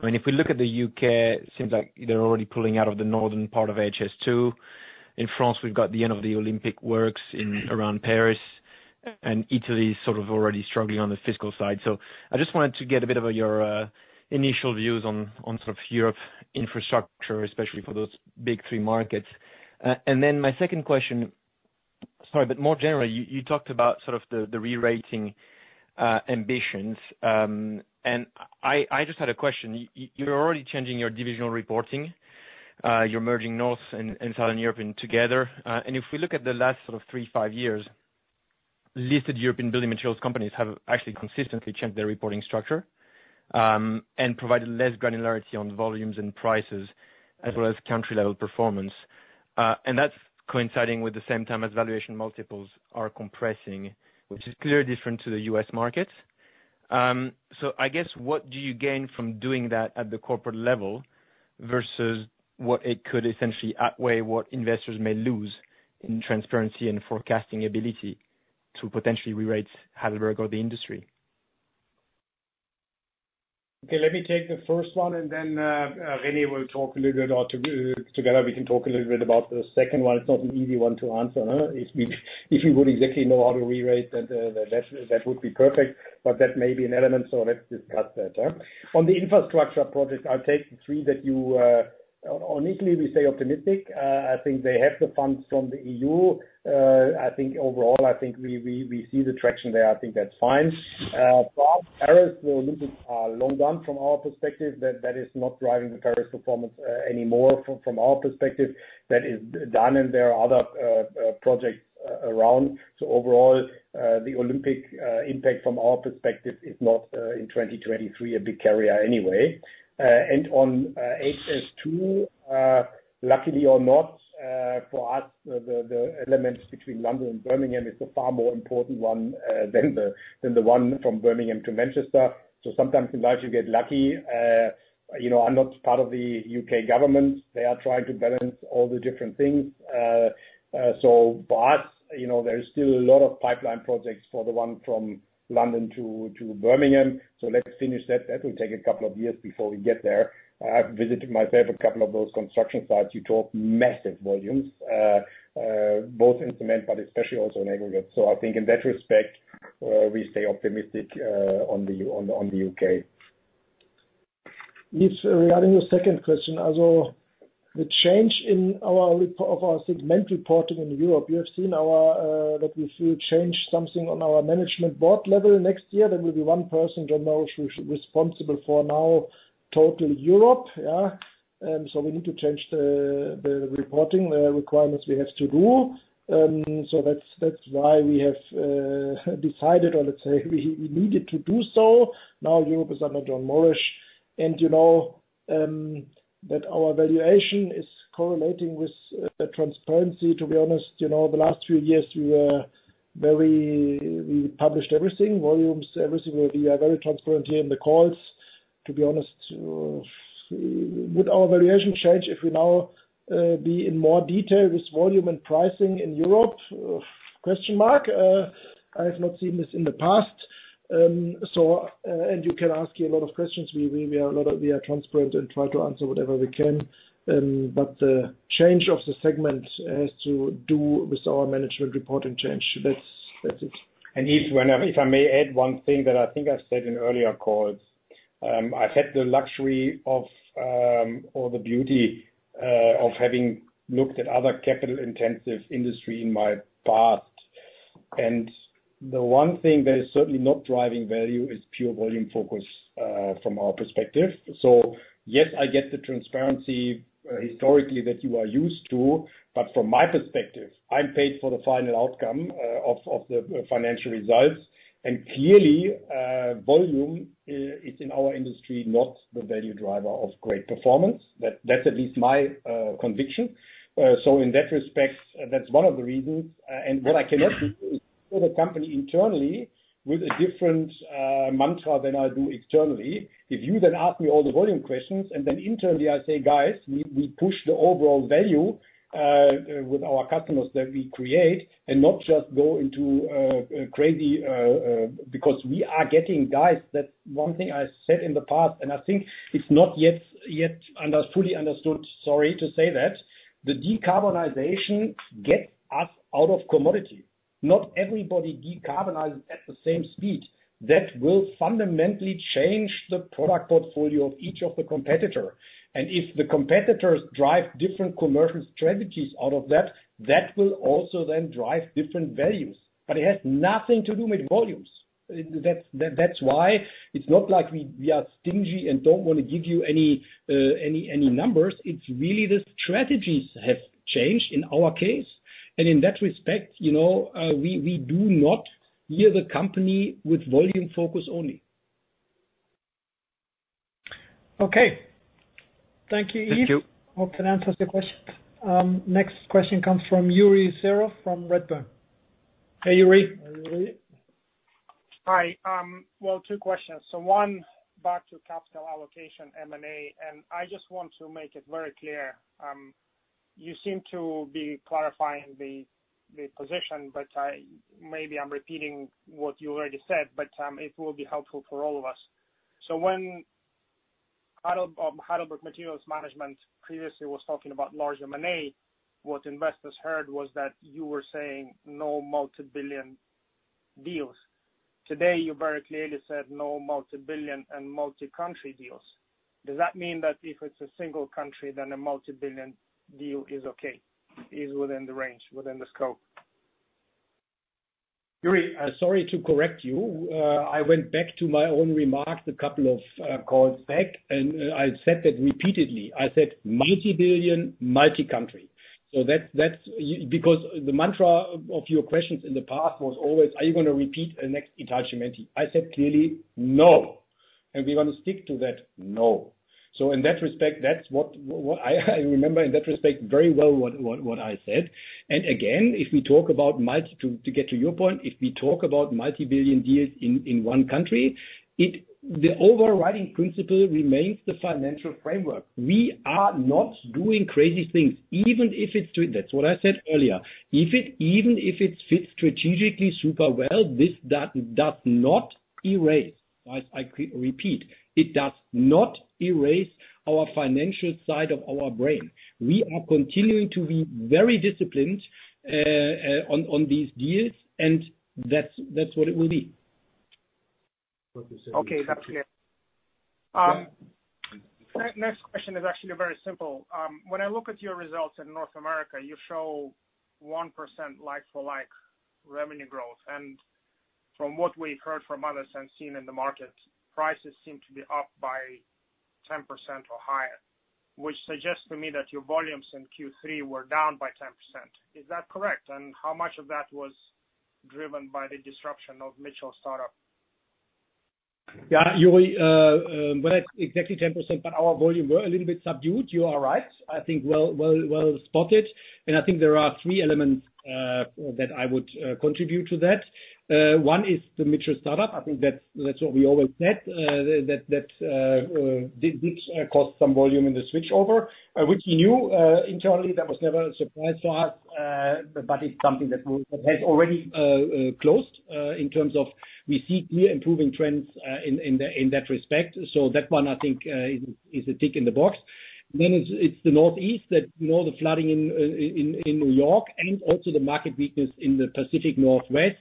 I mean, if we look at the UK, seems like they're already pulling out of the northern part of HS2. In France, we've got the end of the Olympic works in around Paris, and Italy is sort of already struggling on the fiscal side. So I just wanted to get a bit of your initial views on sort of Europe infrastructure, especially for those big three markets. And then my second question, sorry, but more generally, you talked about sort of the rerating ambitions. And I just had a question. You're already changing your divisional reporting, you're merging North and Southern Europe together. And if we look at the last sort of 3-5 years, listed European Building Materials companies have actually consistently changed their reporting structure, and provided less granularity on volumes and prices, as well as country level performance. And that's coinciding with the same time as valuation multiples are compressing, which is clearly different to the U.S. market. So I guess, what do you gain from doing that at the corporate level versus what it could essentially outweigh what investors may lose in transparency and forecasting ability to potentially rerate Heidelberg or the industry?... Okay, let me take the first one, and then, René will talk a little bit, or together, we can talk a little bit about the second one. It's not an easy one to answer, huh? If, if we would exactly know how to rewrite that, that, that would be perfect, but that may be an element, so let's discuss that, yeah? On the infrastructure project, I'll take the three that you, on, on Italy, we stay optimistic. I think they have the funds from the EU. I think overall, I think we, we, we see the traction there. I think that's fine. Pricing will look at, long done from our perspective, that, that is not driving the pricing performance, anymore from, from our perspective. That is done, and there are other, projects around. So overall, the Olympic impact from our perspective is not in 2023 a big carrier anyway. And on HS2, luckily or not for us, the elements between London and Birmingham is a far more important one than the one from Birmingham to Manchester. So sometimes in life you get lucky. You know, I'm not part of the UK government. They are trying to balance all the different things. So but, you know, there is still a lot of pipeline projects for the one from London to Birmingham, so let's finish that. That will take a couple of years before we get there. I've visited my fair couple of those construction sites. You talk massive volumes both in cement, but especially also in aggregate. I think in that respect, we stay optimistic on the UK. Yes, regarding the second question as well, the change in our reporting of our segment reporting in Europe, you have seen that we see change something on our management board level next year. There will be one person, Jon Morrish, responsible for now total Europe, yeah? And so we need to change the reporting requirements we have to do. So that's why we have decided, or let's say, we needed to do so. Now Europe is under Jon Morrish, and you know that our valuation is correlating with transparency. To be honest, you know, the last few years, we were very we published everything, volumes, everything. We are very transparent here in the calls. To be honest, would our valuation change if we now be in more detail with volume and pricing in Europe? I have not seen this in the past. So, you can ask me a lot of questions. We are transparent and try to answer whatever we can. But the change of the segment has to do with our management reporting change. That's it. If I may add one thing that I think I said in earlier calls, I've had the luxury of, or the beauty, of having looked at other capital-intensive industry in my past. The one thing that is certainly not driving value is pure volume focus, from our perspective. So yes, I get the transparency, historically that you are used to, but from my perspective, I'm paid for the final outcome, of the financial results. Clearly, volume, is in our industry, not the value driver of great performance. That at least my conviction. So in that respect, that's one of the reasons, and what I cannot do is tell the company internally with a different, mantra than I do externally. If you then ask me all the volume questions, and then internally, I say, "Guys, we push the overall value with our customers that we create, and not just go into crazy," because we are getting, guys, that one thing I said in the past, and I think it's not yet fully understood, sorry to say that. The decarbonization gets us out of commodity. Not everybody decarbonizes at the same speed. That will fundamentally change the product portfolio of each of the competitor. And if the competitors drive different commercial strategies out of that, that will also then drive different values, but it has nothing to do with volumes. That's why it's not like we are stingy and don't want to give you any numbers. It's really the strategies have changed in our case, and in that respect, you know, we do not view the company with volume focus only. Okay. Thank you, Yves. Thank you. Hope that answers the question. Next question comes from Yuri Serov from Redburn. Hey, Yuri. How are you? Hi. Well, two questions. So one, back to capital allocation, M&A, and I just want to make it very clear. You seem to be clarifying the position, but I, maybe I'm repeating what you already said, but, it will be helpful for all of us. So when Heidelberg, Heidelberg Materials Management previously was talking about large M&A, what investors heard was that you were saying no multi-billion deals. Today, you very clearly said no multi-billion and multi-country deals. Does that mean that if it's a single country, then a multi-billion deal is okay, is within the range, within the scope? Yuri, sorry to correct you. I went back to my own remarks a couple of calls back, and I said that repeatedly. I said multi-billion, multi-country. So that's... Because the mantra of your questions in the past was always: Are you gonna repeat the next Italcementi? I said clearly, "No," and we want to stick to that no. So in that respect, that's what I remember in that respect very well, what I said. And again, to get to your point, if we talk about multi-billion deals in one country, the overriding principle remains the financial framework. We are not doing crazy things, even if it's true. That's what I said earlier. Even if it fits strategically super well, this, that does not erase. I repeat, it does not erase our financial side of our brain. We are continuing to be very disciplined on these deals, and that's what it will be.... Okay, that's clear. Next question is actually very simple. When I look at your results in North America, you show 1% like for like revenue growth, and from what we've heard from others and seen in the market, prices seem to be up by 10% or higher, which suggests to me that your volumes in Q3 were down by 10%. Is that correct? And how much of that was driven by the disruption of Mitchell startup? Yeah, Yuri, well, not exactly 10%, but our volume were a little bit subdued. You are right. I think, well spotted, and I think there are three elements that I would contribute to that. One is the Mitchell startup. I think that's what we always said that did cost some volume in the switchover, which we knew internally, that was never a surprise to us, but it's something that has already closed in terms of we see clear improving trends in that respect. So that one, I think, is a tick in the box. Then it's the Northeast, you know, the flooding in New York and also the market weakness in the Pacific Northwest.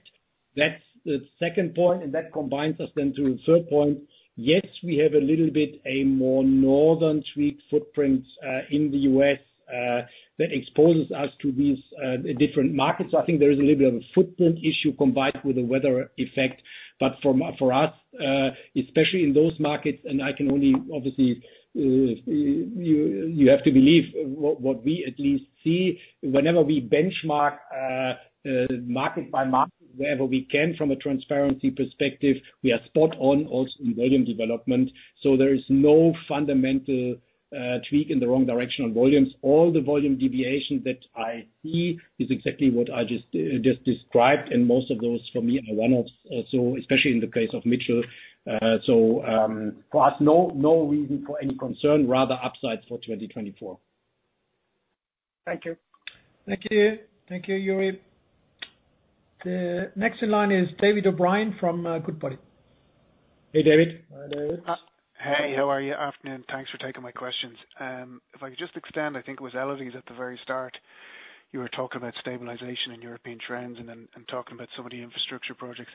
That's the second point, and that combines us then to the third point. Yes, we have a little bit a more Northern Tier footprint in the U.S., that exposes us to these different markets. So I think there is a little bit of a footprint issue combined with the weather effect. But for us, especially in those markets, and I can only obviously you have to believe what we at least see, whenever we benchmark market by market, wherever we can from a transparency perspective, we are spot on also in volume development. So there is no fundamental tweak in the wrong direction on volumes. All the volume deviations that I see is exactly what I just described, and most of those for me are one-offs, also, especially in the case of Mitchell. For us, no, no reason for any concern, rather upsides for 2024. Thank you. Thank you. Thank you, Yuri. The next in line is David O'Brien from Goodbody. Hey, David. Hi, David. Hey, how are you? Afternoon. Thanks for taking my questions. If I could just extend, I think it was Elodie at the very start, you were talking about stabilization in European trends and then, and talking about some of the infrastructure projects.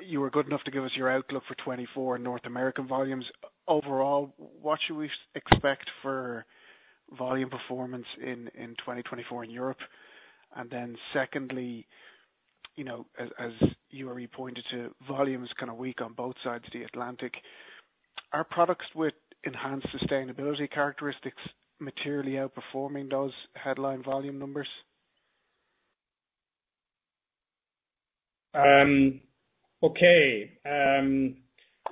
You were good enough to give us your outlook for 2024 North American volumes. Overall, what should we expect for volume performance in 2024 in Europe? And then secondly, you know, as you already pointed to, volume is kind of weak on both sides of the Atlantic. Are products with enhanced sustainability characteristics materially outperforming those headline volume numbers? Okay.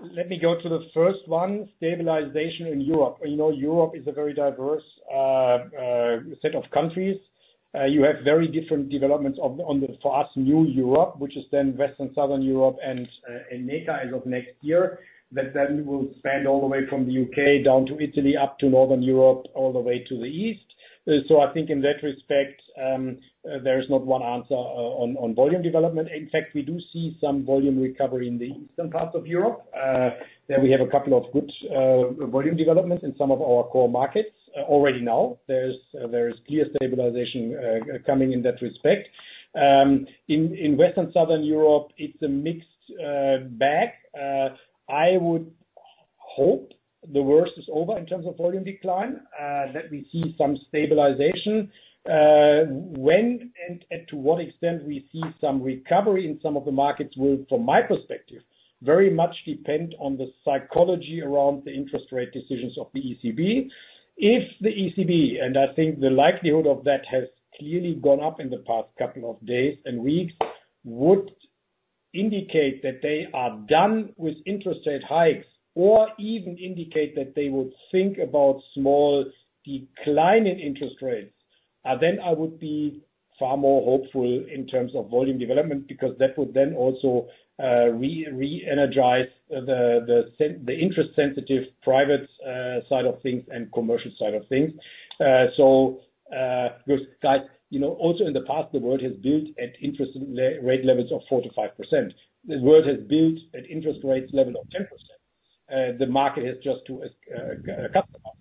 Let me go to the first one, stabilization in Europe. You know, Europe is a very diverse set of countries. You have very different developments on the, for us, new Europe, which is then Western Southern Europe and NEECA as of next year. That then will span all the way from the UK down to Italy, up to Northern Europe, all the way to the east. So I think in that respect, there is not one answer on volume development. In fact, we do see some volume recovery in the eastern parts of Europe that we have a couple of good volume developments in some of our core markets already now. There is clear stabilization coming in that respect. In Western Southern Europe, it's a mixed bag. I would hope the worst is over in terms of volume decline, that we see some stabilization. When and to what extent we see some recovery in some of the markets will, from my perspective, very much depend on the psychology around the interest rate decisions of the ECB. If the ECB, and I think the likelihood of that has clearly gone up in the past couple of days and weeks, would indicate that they are done with interest rate hikes or even indicate that they would think about small decline in interest rates, then I would be far more hopeful in terms of volume development, because that would then also reenergize the interest sensitive private side of things and commercial side of things. So, with that, you know, also in the past, the world has built at interest rate levels of 4%-5%. The world has built at interest rates level of 10%. The market has just got to customize it, and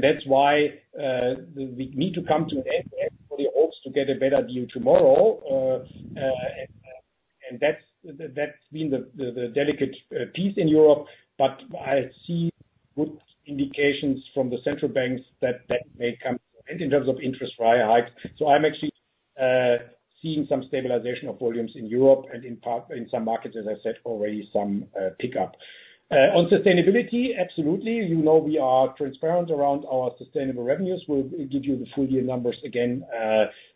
that's why we need to come to an end. Everybody hopes to get a better view tomorrow, and that's been the delicate piece in Europe. But I see good indications from the central banks that may come, and in terms of interest rate hikes. So I'm actually seeing some stabilization of volumes in Europe and in part, in some markets, as I said, already some pickup. On sustainability, absolutely. You know, we are transparent around our sustainable revenues. We'll give you the full year numbers again,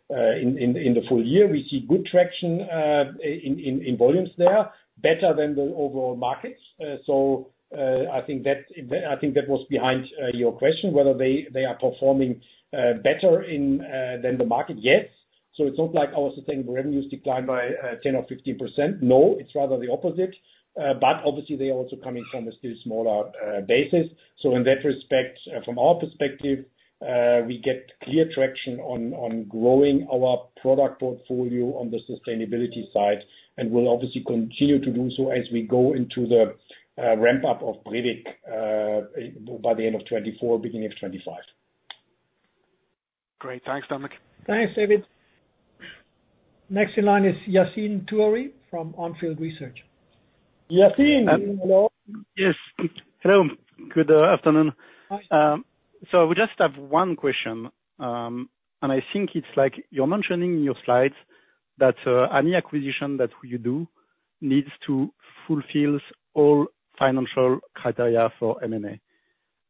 in the full year. We see good traction, in volumes there, better than the overall markets. So, I think that was behind your question, whether they are performing better than the market yet. So it's not like I was saying the revenues declined by 10 or 15%. No, it's rather the opposite. But obviously, they are also coming from a still smaller basis. So in that respect, from our perspective, we get clear traction on growing our product portfolio on the sustainability side, and we'll obviously continue to do so as we go into the ramp up of Brevik, by the end of 2024, beginning of 2025.... Great, thanks, Dominik. Thanks, David. Next in line is Yassine Touahri from Onfield Research. Yassine, hello? Yes. Hello, good afternoon. Hi. So we just have one question. And I think it's like, you're mentioning in your slides that any acquisition that you do needs to fulfill all financial criteria for MNA.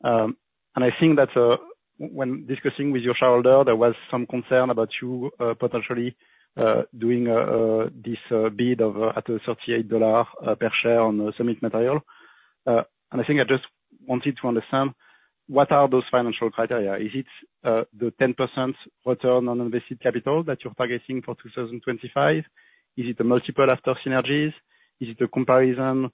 And I think that when discussing with your shareholder, there was some concern about you potentially doing this bid at a $38 per share on Summit Materials. And I think I just wanted to understand, what are those financial criteria? Is it the 10% return on invested capital that you're targeting for 2025? Is it the multiple after synergies? Is it the comparison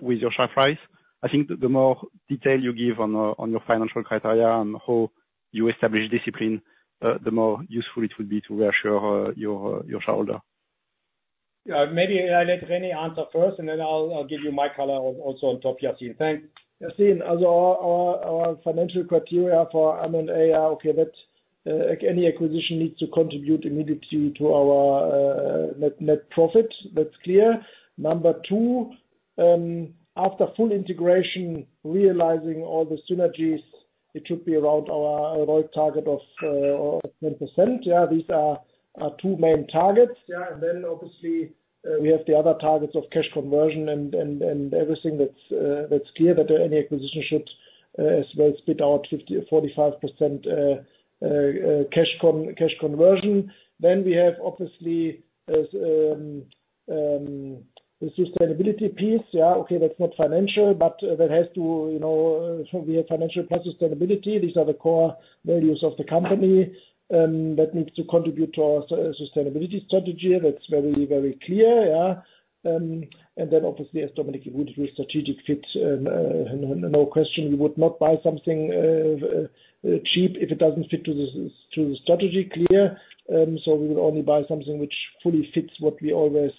with your share price? I think the more detail you give on your financial criteria and how you establish discipline, the more useful it will be to reassure your shareholder. Yeah, maybe I let René answer first, and then I'll, I'll give you my color also on top, Yassine. Thanks. Yassine, our financial criteria for M&A are okay, but, like, any acquisition needs to contribute immediately to our net profit. That's clear. Number two, after full integration, realizing all the synergies, it should be around our ROI target of 10%. Yeah, these are our two main targets. Yeah, and then obviously, we have the other targets of cash conversion and everything that's clear, that any acquisition should as well spit out 50% or 45% cash conversion. Then we have obviously the sustainability piece. Yeah, okay, that's not financial, but that has to, you know, so we have financial plus sustainability. These are the core values of the company that needs to contribute to our sustainability strategy. That's very, very clear, yeah. And then obviously, as Dominik, it would be strategic fit, no question, we would not buy something cheap if it doesn't fit to the strategy, clear. So we would only buy something which fully fits what we always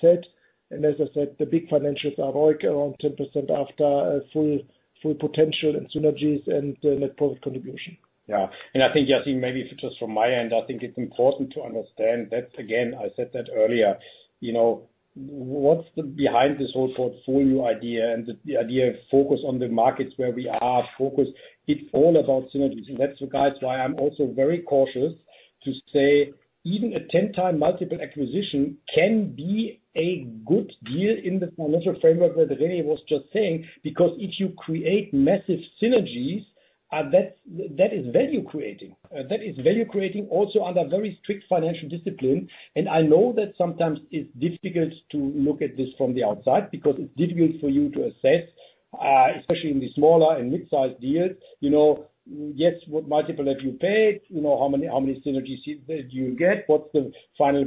said. And as I said, the big financials are ROI, around 10% after a full potential and synergies and the net profit contribution. Yeah. And I think, Yassine, maybe just from my end, I think it's important to understand that again, I said that earlier, you know, what's behind this whole portfolio idea, and the, the idea of focus on the markets where we are focused, it's all about synergies. And that's the reason why I'm also very cautious to say even a 10x multiple acquisition can be a good deal in the financial framework that René was just saying, because if you create massive synergies, that is value creating. That is value creating, also under very strict financial discipline. And I know that sometimes it's difficult to look at this from the outside, because it's difficult for you to assess, especially in the smaller and mid-sized deals, you know, yes, what multiple have you paid? You know, how many, how many synergies did you get? What's the final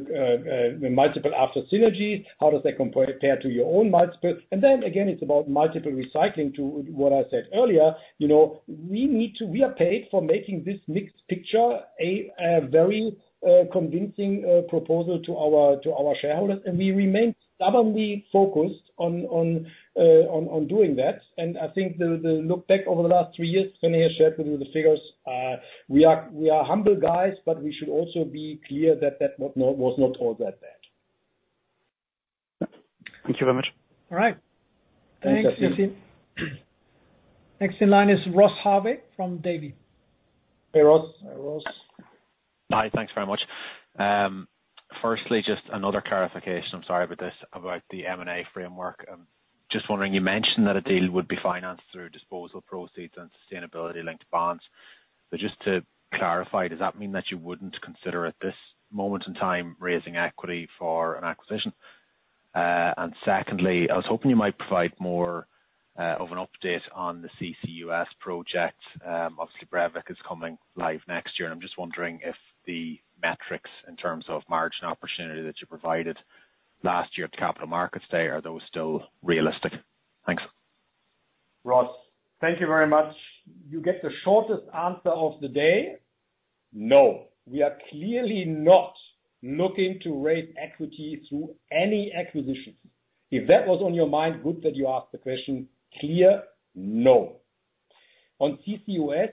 multiple after synergies? How does that compare to your own multiple? And then again, it's about multiple recycling to what I said earlier, you know, we need to, we are paid for making this mixed picture a very convincing proposal to our shareholders, and we remain stubbornly focused on doing that. And I think the look back over the last three years, René has shared with you the figures. We are humble guys, but we should also be clear that that was not all that bad. Thank you very much. All right. Thanks, Yassine. Next in line is Ross Harvey from Davy. Hey, Ross. Hi, Ross. Hi, thanks very much. Firstly, just another clarification, I'm sorry about this, about the M&A framework. Just wondering, you mentioned that a deal would be financed through disposal proceeds and Sustainability-Linked Bonds. But just to clarify, does that mean that you wouldn't consider at this moment in time raising equity for an acquisition? And secondly, I was hoping you might provide more of an update on the CCUS project. Obviously, Brevik is coming live next year, and I'm just wondering if the metrics in terms of margin opportunity that you provided last year at Capital Markets Day are those still realistic? Thanks. Ross, thank you very much. You get the shortest answer of the day. No, we are clearly not looking to raise equity through any acquisitions. If that was on your mind, good that you asked the question. Clear, no. On CCUS,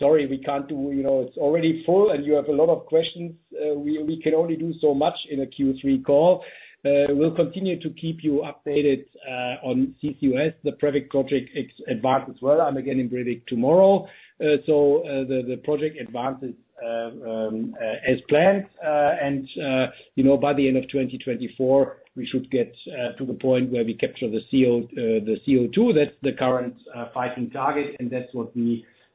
sorry, we can't do... You know, it's already full, and you have a lot of questions. We can only do so much in a Q3 call. We'll continue to keep you updated on CCUS, the Brevik project ex-advance as well. I'm again in Brevik tomorrow. So, the project advances as planned, and you know, by the end of 2024, we should get to the point where we capture the CO2. That's the current fighting target, and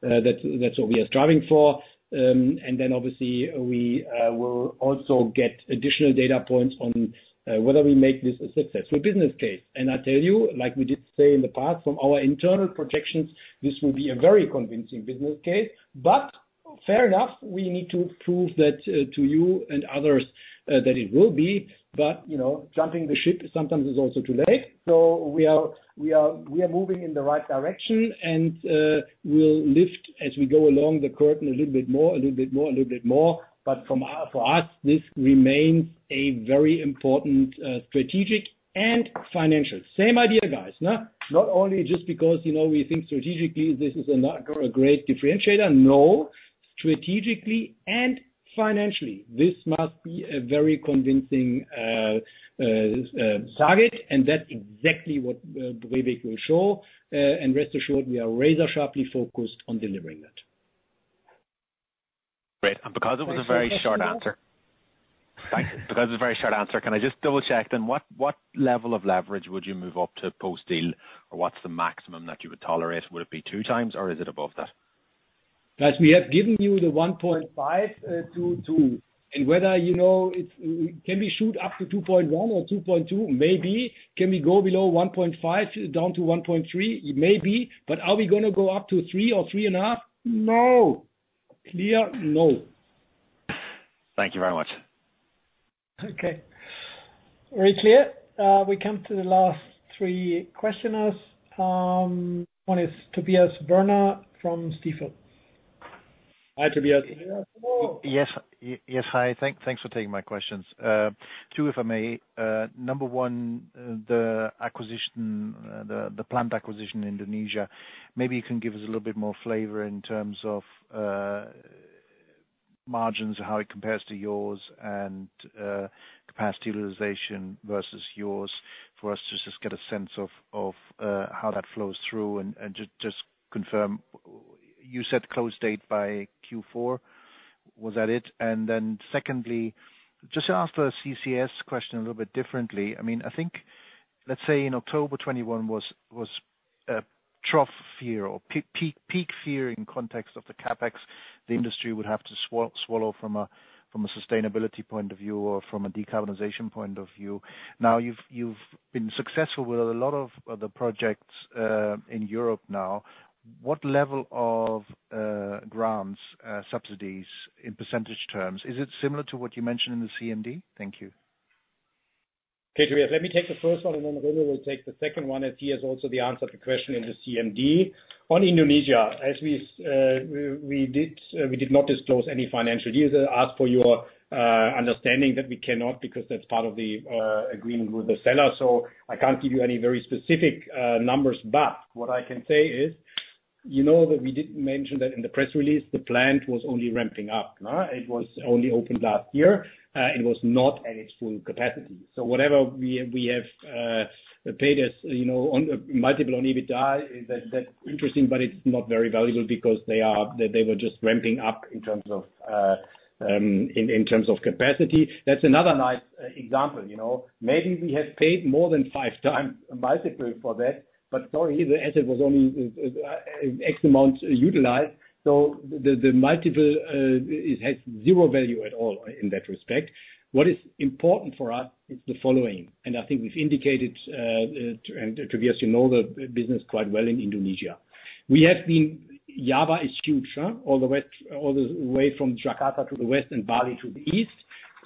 that's what we are striving for. And then obviously, we will also get additional data points on whether we make this a successful business case. And I tell you, like we did say in the past, from our internal projections, this will be a very convincing business case. But fair enough, we need to prove that to you and others... that it will be, but you know, jumping the ship sometimes is also too late. So we are moving in the right direction, and we'll lift as we go along the curtain a little bit more, a little bit more, a little bit more. But for us, this remains a very important strategic and financial. Same idea, guys, nah? Not only just because, you know, we think strategically this is not a great differentiator, no, strategically and financially, this must be a very convincing target, and that's exactly what René will show. And rest assured, we are razor sharply focused on delivering that. Great. And because it was a very short answer—thank you. Because it's a very short answer, can I just double check then, what, what level of leverage would you move up to post-deal? Or what's the maximum that you would tolerate? Would it be 2x, or is it above that? Guys, we have given you the 1.5, 2.2. And whether, you know, it's, can we shoot up to 2.1 or 2.2? Maybe. Can we go below 1.5, down to 1.3? Maybe. But are we gonna go up to 3 or 3.5? No! Clear, no. Thank you very much. Okay. Very clear. We come to the last three questioners. One is Tobias Woerner from Jefferies. Hi, Tobias. Hello. Yes, yes, hi, thanks for taking my questions. 2, if I may. Number one, the acquisition, the plant acquisition in Indonesia, maybe you can give us a little bit more flavor in terms of margins, how it compares to yours, and capacity utilization versus yours, for us to just get a sense of how that flows through. And just confirm, you said close date by Q4. Was that it? And then secondly, just to ask the CCS question a little bit differently, I mean, I think, let's say in October 2021 was trough fear or peak fear in context of the CapEx. The industry would have to swallow from a sustainability point of view or from a decarbonization point of view. Now, you've, you've been successful with a lot of, of the projects, in Europe now. What level of, grants, subsidies in percentage terms? Is it similar to what you mentioned in the CMD? Thank you. Okay, Tobias, let me take the first one, and then Röbi will take the second one, as he has also the answer to the question in the CMD. On Indonesia, as we did not disclose any financial years. I ask for your understanding that we cannot because that's part of the agreement with the seller. So I can't give you any very specific numbers, but what I can say is, you know that we did mention that in the press release, the plant was only ramping up, nah? It was only opened last year, it was not at its full capacity. So whatever we have paid as, you know, on a multiple on EBITDA, that's interesting, but it's not very valuable because they were just ramping up in terms of capacity. That's another nice example, you know. Maybe we have paid more than 5x multiple for that, but sorry, the asset was only X amount utilized, so the multiple it has zero value at all in that respect. What is important for us is the following, and I think we've indicated, and Tobias, you know the business quite well in Indonesia. We have been... Java is huge, huh? All the way, all the way from Jakarta to the west and Bali to the east.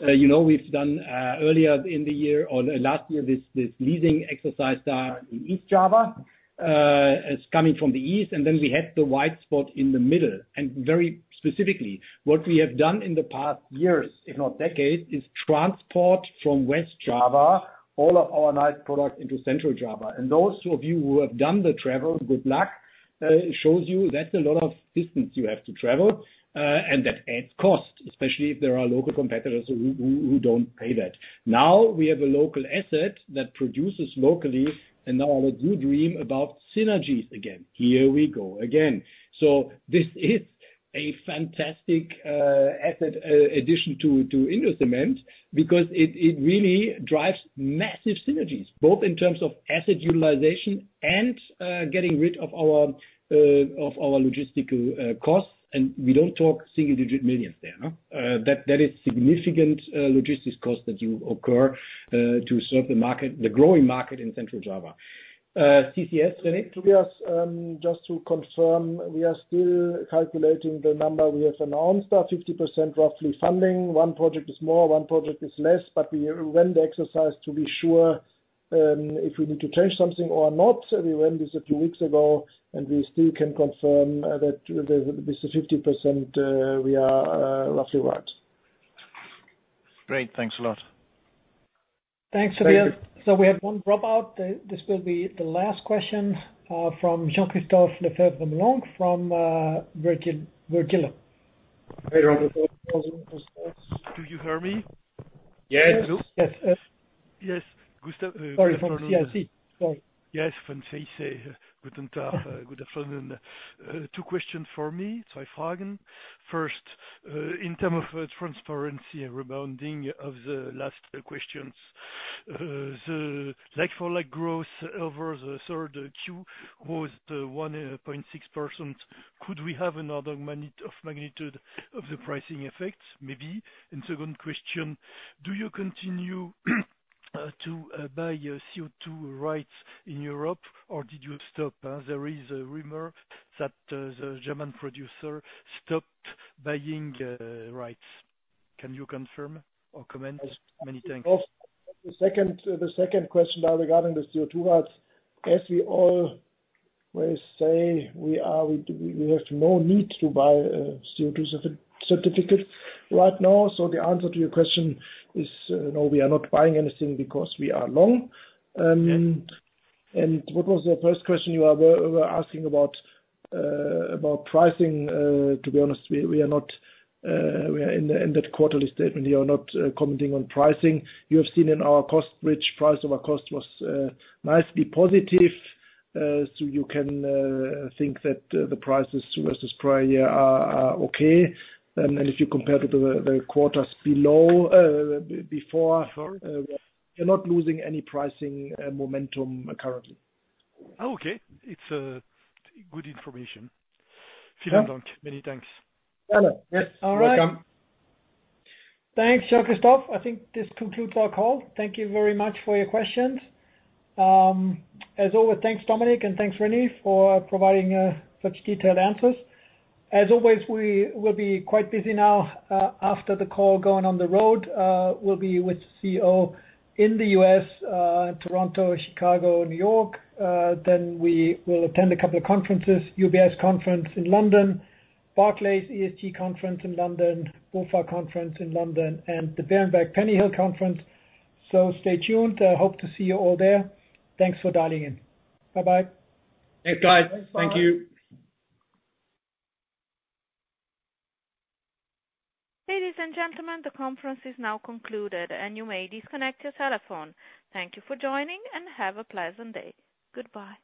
You know, we've done earlier in the year or last year, this leasing exercise in East Java is coming from the east, and then we had the white spot in the middle. And very specifically, what we have done in the past years, if not decades, is transport from West Java, all of our nice products into Central Java. And those of you who have done the travel, good luck, it shows you that's a lot of distance you have to travel, and that adds cost, especially if there are local competitors who don't pay that. Now, we have a local asset that produces locally, and now all of you dream about synergies again. Here we go again. So this is a fantastic asset addition to Indocement, because it really drives massive synergies, both in terms of asset utilization and getting rid of our logistical costs, and we don't talk single digit millions there, huh? That is significant logistics costs that you incur to serve the market, the growing market in Central Java. CCS, Röbi? Tobias, just to confirm, we are still calculating the number we have announced, 50% roughly funding. One project is more, one project is less, but we ran the exercise to be sure, if we need to change something or not. We ran this a few weeks ago, and we still can confirm, that the, this is 50%, we are, roughly right. Great. Thanks a lot. Thanks, Tobias. Thank you. So we have one dropout. This will be the last question from Jean-Christophe Lefèvre-Moulenq from Virtuo. Hi, Jean. Do you hear me? Yes, hello. Yes, yes. Yes, Christoph- Sorry, from CIC, sorry. Yes, from CIC. Guten tag, good afternoon. Two questions for me, so I fragen. First, in term of, transparency and rebounding of the last questions, the like-for-like growth over the third Q was, one point six percent. Could we have another magnitude of magnitude of the pricing effects, maybe? And second question: Do you continue, to, buy your CO2 rights in Europe, or did you stop? There is a rumor that, the German producer stopped buying, rights. Can you confirm or comment? Many thanks. The second question now regarding the CO2 certificates. As we all may say, we are, we have no need to buy CO2 certificates right now. So the answer to your question is, no, we are not buying anything because we are long. And what was the first question you were asking about, about pricing? To be honest, we are not, we are in that quarterly statement, we are not commenting on pricing. You have seen in our cost, which price of our cost was, nicely positive. So you can think that the prices to versus prior year are okay. And then if you compare it to the quarters below, before, you're not losing any pricing momentum currently. Oh, okay. It's good information. Yeah. Many thanks. Hello. Yes, welcome. All right. Thanks, Christoph. I think this concludes our call. Thank you very much for your questions. As always, thanks, Dominik, and thanks, René, for providing such detailed answers. As always, we will be quite busy now after the call, going on the road. We'll be with CEO in the U.S., Toronto, Chicago, and New York. Then we will attend a couple of conferences, UBS conference in London, Barclays ESG conference in London, BofA conference in London, and the Berenberg Pennyhill conference. So stay tuned. I hope to see you all there. Thanks for dialing in. Bye-bye. Thanks, guys. Thank you. Ladies and gentlemen, the conference is now concluded, and you may disconnect your telephone. Thank you for joining, and have a pleasant day. Goodbye.